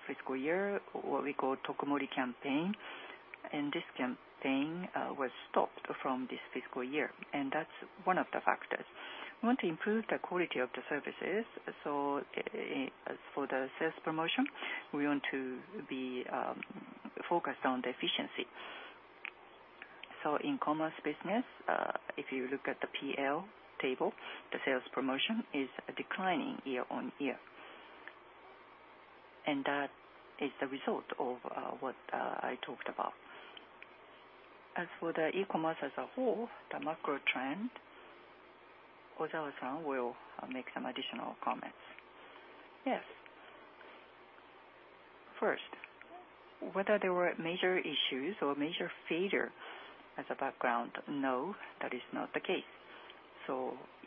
fiscal year, what we call Tokumori campaign. This campaign was stopped from this fiscal year, and that's one of the factors. We want to improve the quality of the services. As for the sales promotion, we want to be focused on the efficiency. In commerce business, if you look at the PL table, the sales promotion is declining year-on-year. That is the result of what I talked about. As for the e-commerce as a whole, the macro trend, Ozawa-san will make some additional comments. Yes. First, whether there were major issues or major failure as a background. No, that is not the case.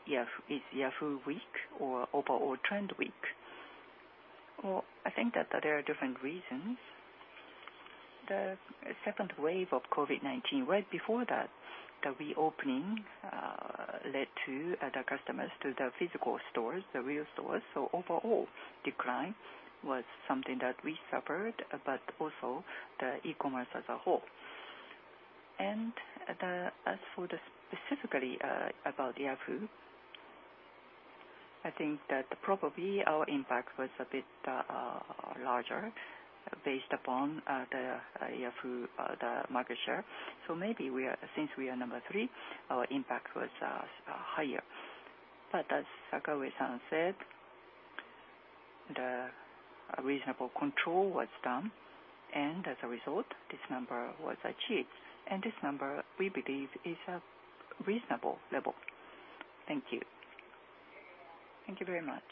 Yeah, is Yahoo weak or overall trend weak? Well, I think that there are different reasons. The second wave of COVID-19, right before that, the reopening led to other customers to the physical stores, the real stores. Overall decline was something that we suffered, but also the e-commerce as a whole. As for the specifics about Yahoo, I think that probably our impact was a bit larger based upon the Yahoo market share. Maybe, since we are number three, our impact was higher. As Sakaue-san said, the reasonable control was done, and as a result, this number was achieved. This number, we believe, is a reasonable level. Thank you. Thank you very much.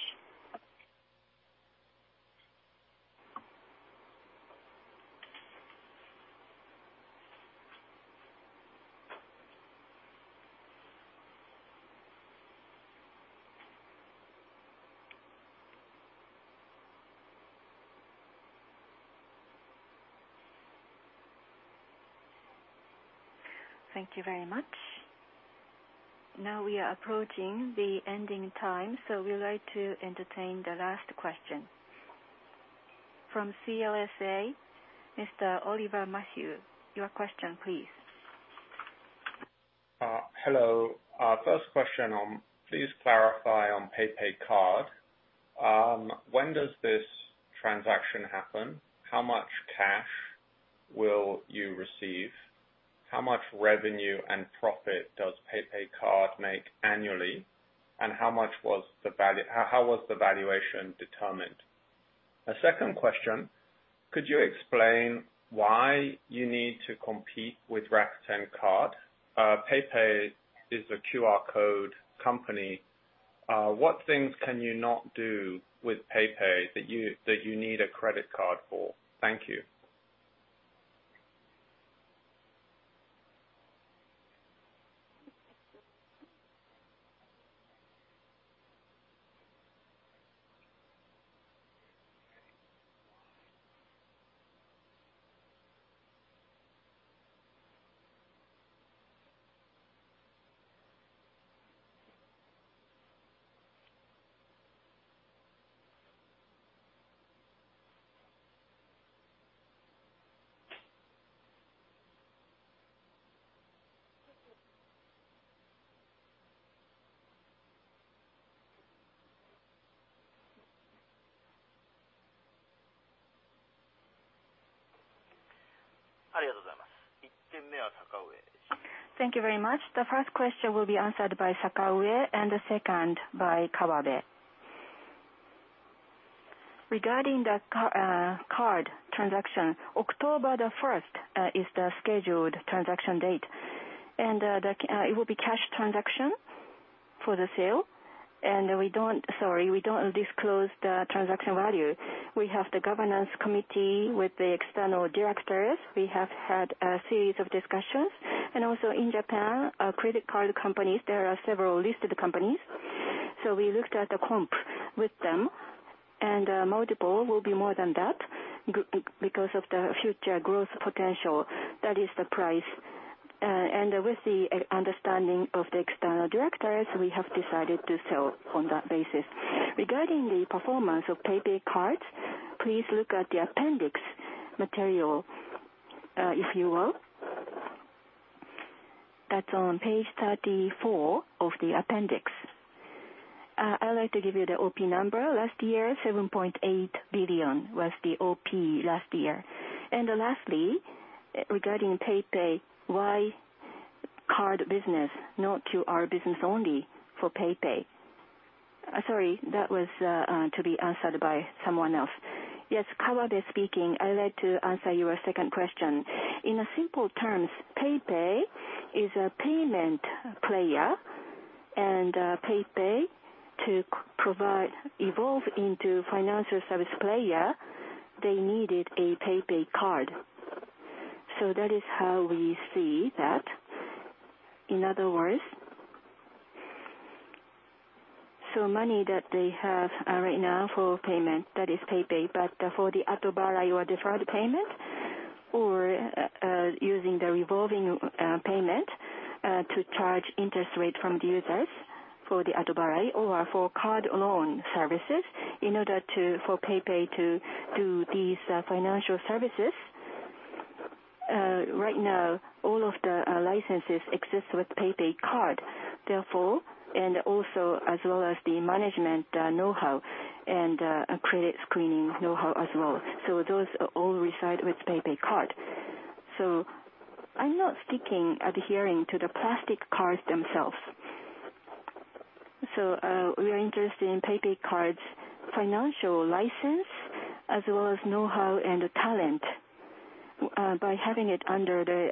Thank you very much. Now we are approaching the ending time, so we would like to entertain the last question. From CLSA, Mr. Oliver Matthew, your question please. Hello. First question, please clarify on PayPay Card. When does this transaction happen? How much cash will you receive? How much revenue and profit does PayPay Card make annually? And how was the valuation determined? A second question, could you explain why you need to compete with Rakuten Card? PayPay is a QR code company. What things can you not do with PayPay that you need a credit card for? Thank you. Thank you very much. The first question will be answered by Sakaue and the second by Kawabe. Regarding the card transaction, October the first is the scheduled transaction date, and it will be cash transaction for the sale. We don't, sorry, we don't disclose the transaction value. We have the governance committee with the external directors. We have had a series of discussions. In Japan, credit card companies, there are several listed companies. So we looked at the comps with them, and multiple will be more than that because of the future growth potential. That is the price. With the understanding of the external directors, we have decided to sell on that basis. Regarding the performance of PayPay Card, please look at the appendix material, if you will. That's on page 34 of the appendix. I'd like to give you the OP number. Last year, 7.8 billion was the OP last year. Lastly, regarding PayPay, why card business? Not QR business only for PayPay. Sorry, that was to be answered by someone else. Yes, Kawabe speaking. I'd like to answer your second question. In simple terms, PayPay is a payment player. PayPay to provide, evolve into financial service player, they needed a PayPay Card. That is how we see that. In other words, money that they have right now for payment, that is PayPay. But for the, using the revolving payment to charge interest rate from the users for the for card loan services in order to, for PayPay to do these financial services. Right now all of the licenses exist with PayPay Card, therefore, and also as well as the management know-how and credit screening know-how as well. Those all reside with PayPay Card. I'm not sticking, adhering to the plastic cards themselves. We are interested in PayPay Card's financial license as well as know-how and talent. By having it under the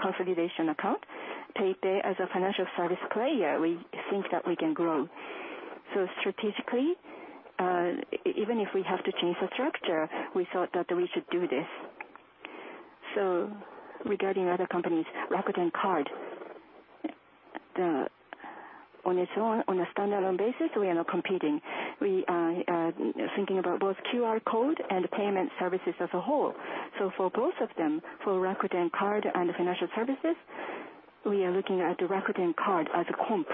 consolidation account, PayPay as a financial service player, we think that we can grow. Strategically, even if we have to change the structure, we thought that we should do this. Regarding other companies, Rakuten Card, on its own, on a standalone basis, we are not competing. We are thinking about both QR code and payment services as a whole. For both of them, for Rakuten Card and financial services, we are looking at the Rakuten Card as a comp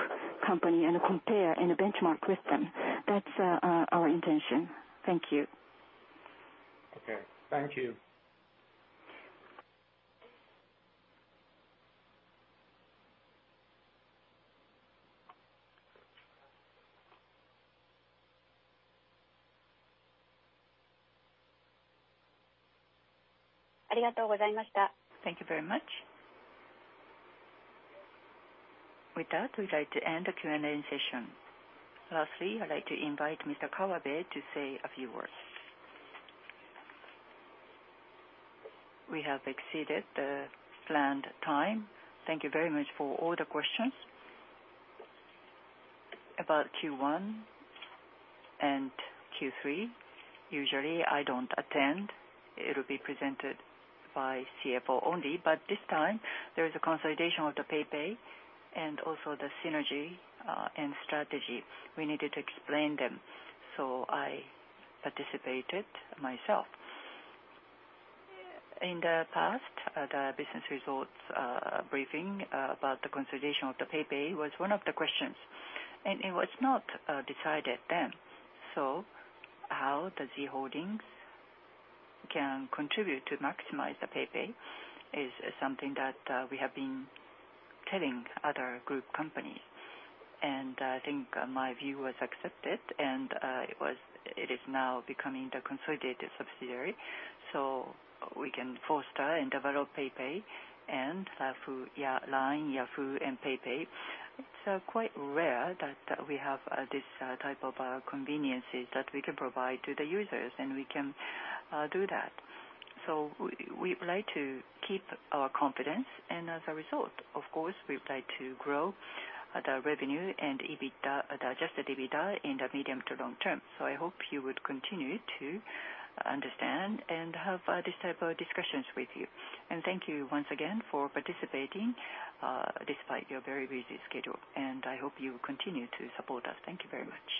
company and a compare and a benchmark with them. That's our intention. Thank you. Okay, thank you. Thank you very much. With that, we'd like to end the Q&A session. Lastly, I'd like to invite Mr. Kawabe to say a few words. We have exceeded the planned time. Thank you very much for all the questions. About Q1 and Q3, usually I don't attend. It'll be presented by CFO only, but this time there is a consolidation of the PayPay and also the synergy, and strategy. We needed to explain them, so I participated myself. In the past, the business results, briefing about the consolidation of the PayPay was one of the questions, and it was not, decided then. How the Z Holdings can contribute to maximize the PayPay is something that, we have been telling other group companies. I think my view was accepted and, it is now becoming the consolidated subsidiary, so we can foster and develop PayPay and Yahoo, yeah, LINE, Yahoo and PayPay. It's quite rare that we have this type of conveniences that we can provide to the users, and we can do that. We would like to keep our confidence. As a result, of course, we would like to grow the revenue and EBITDA, the adjusted EBITDA in the medium to long term. I hope you would continue to understand and have this type of discussions with you. Thank you once again for participating despite your very busy schedule, and I hope you will continue to support us. Thank you very much.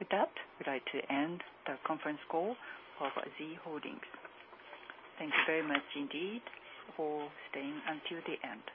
With that, we'd like to end the conference call for Z Holdings. Thank you very much indeed for staying until the end.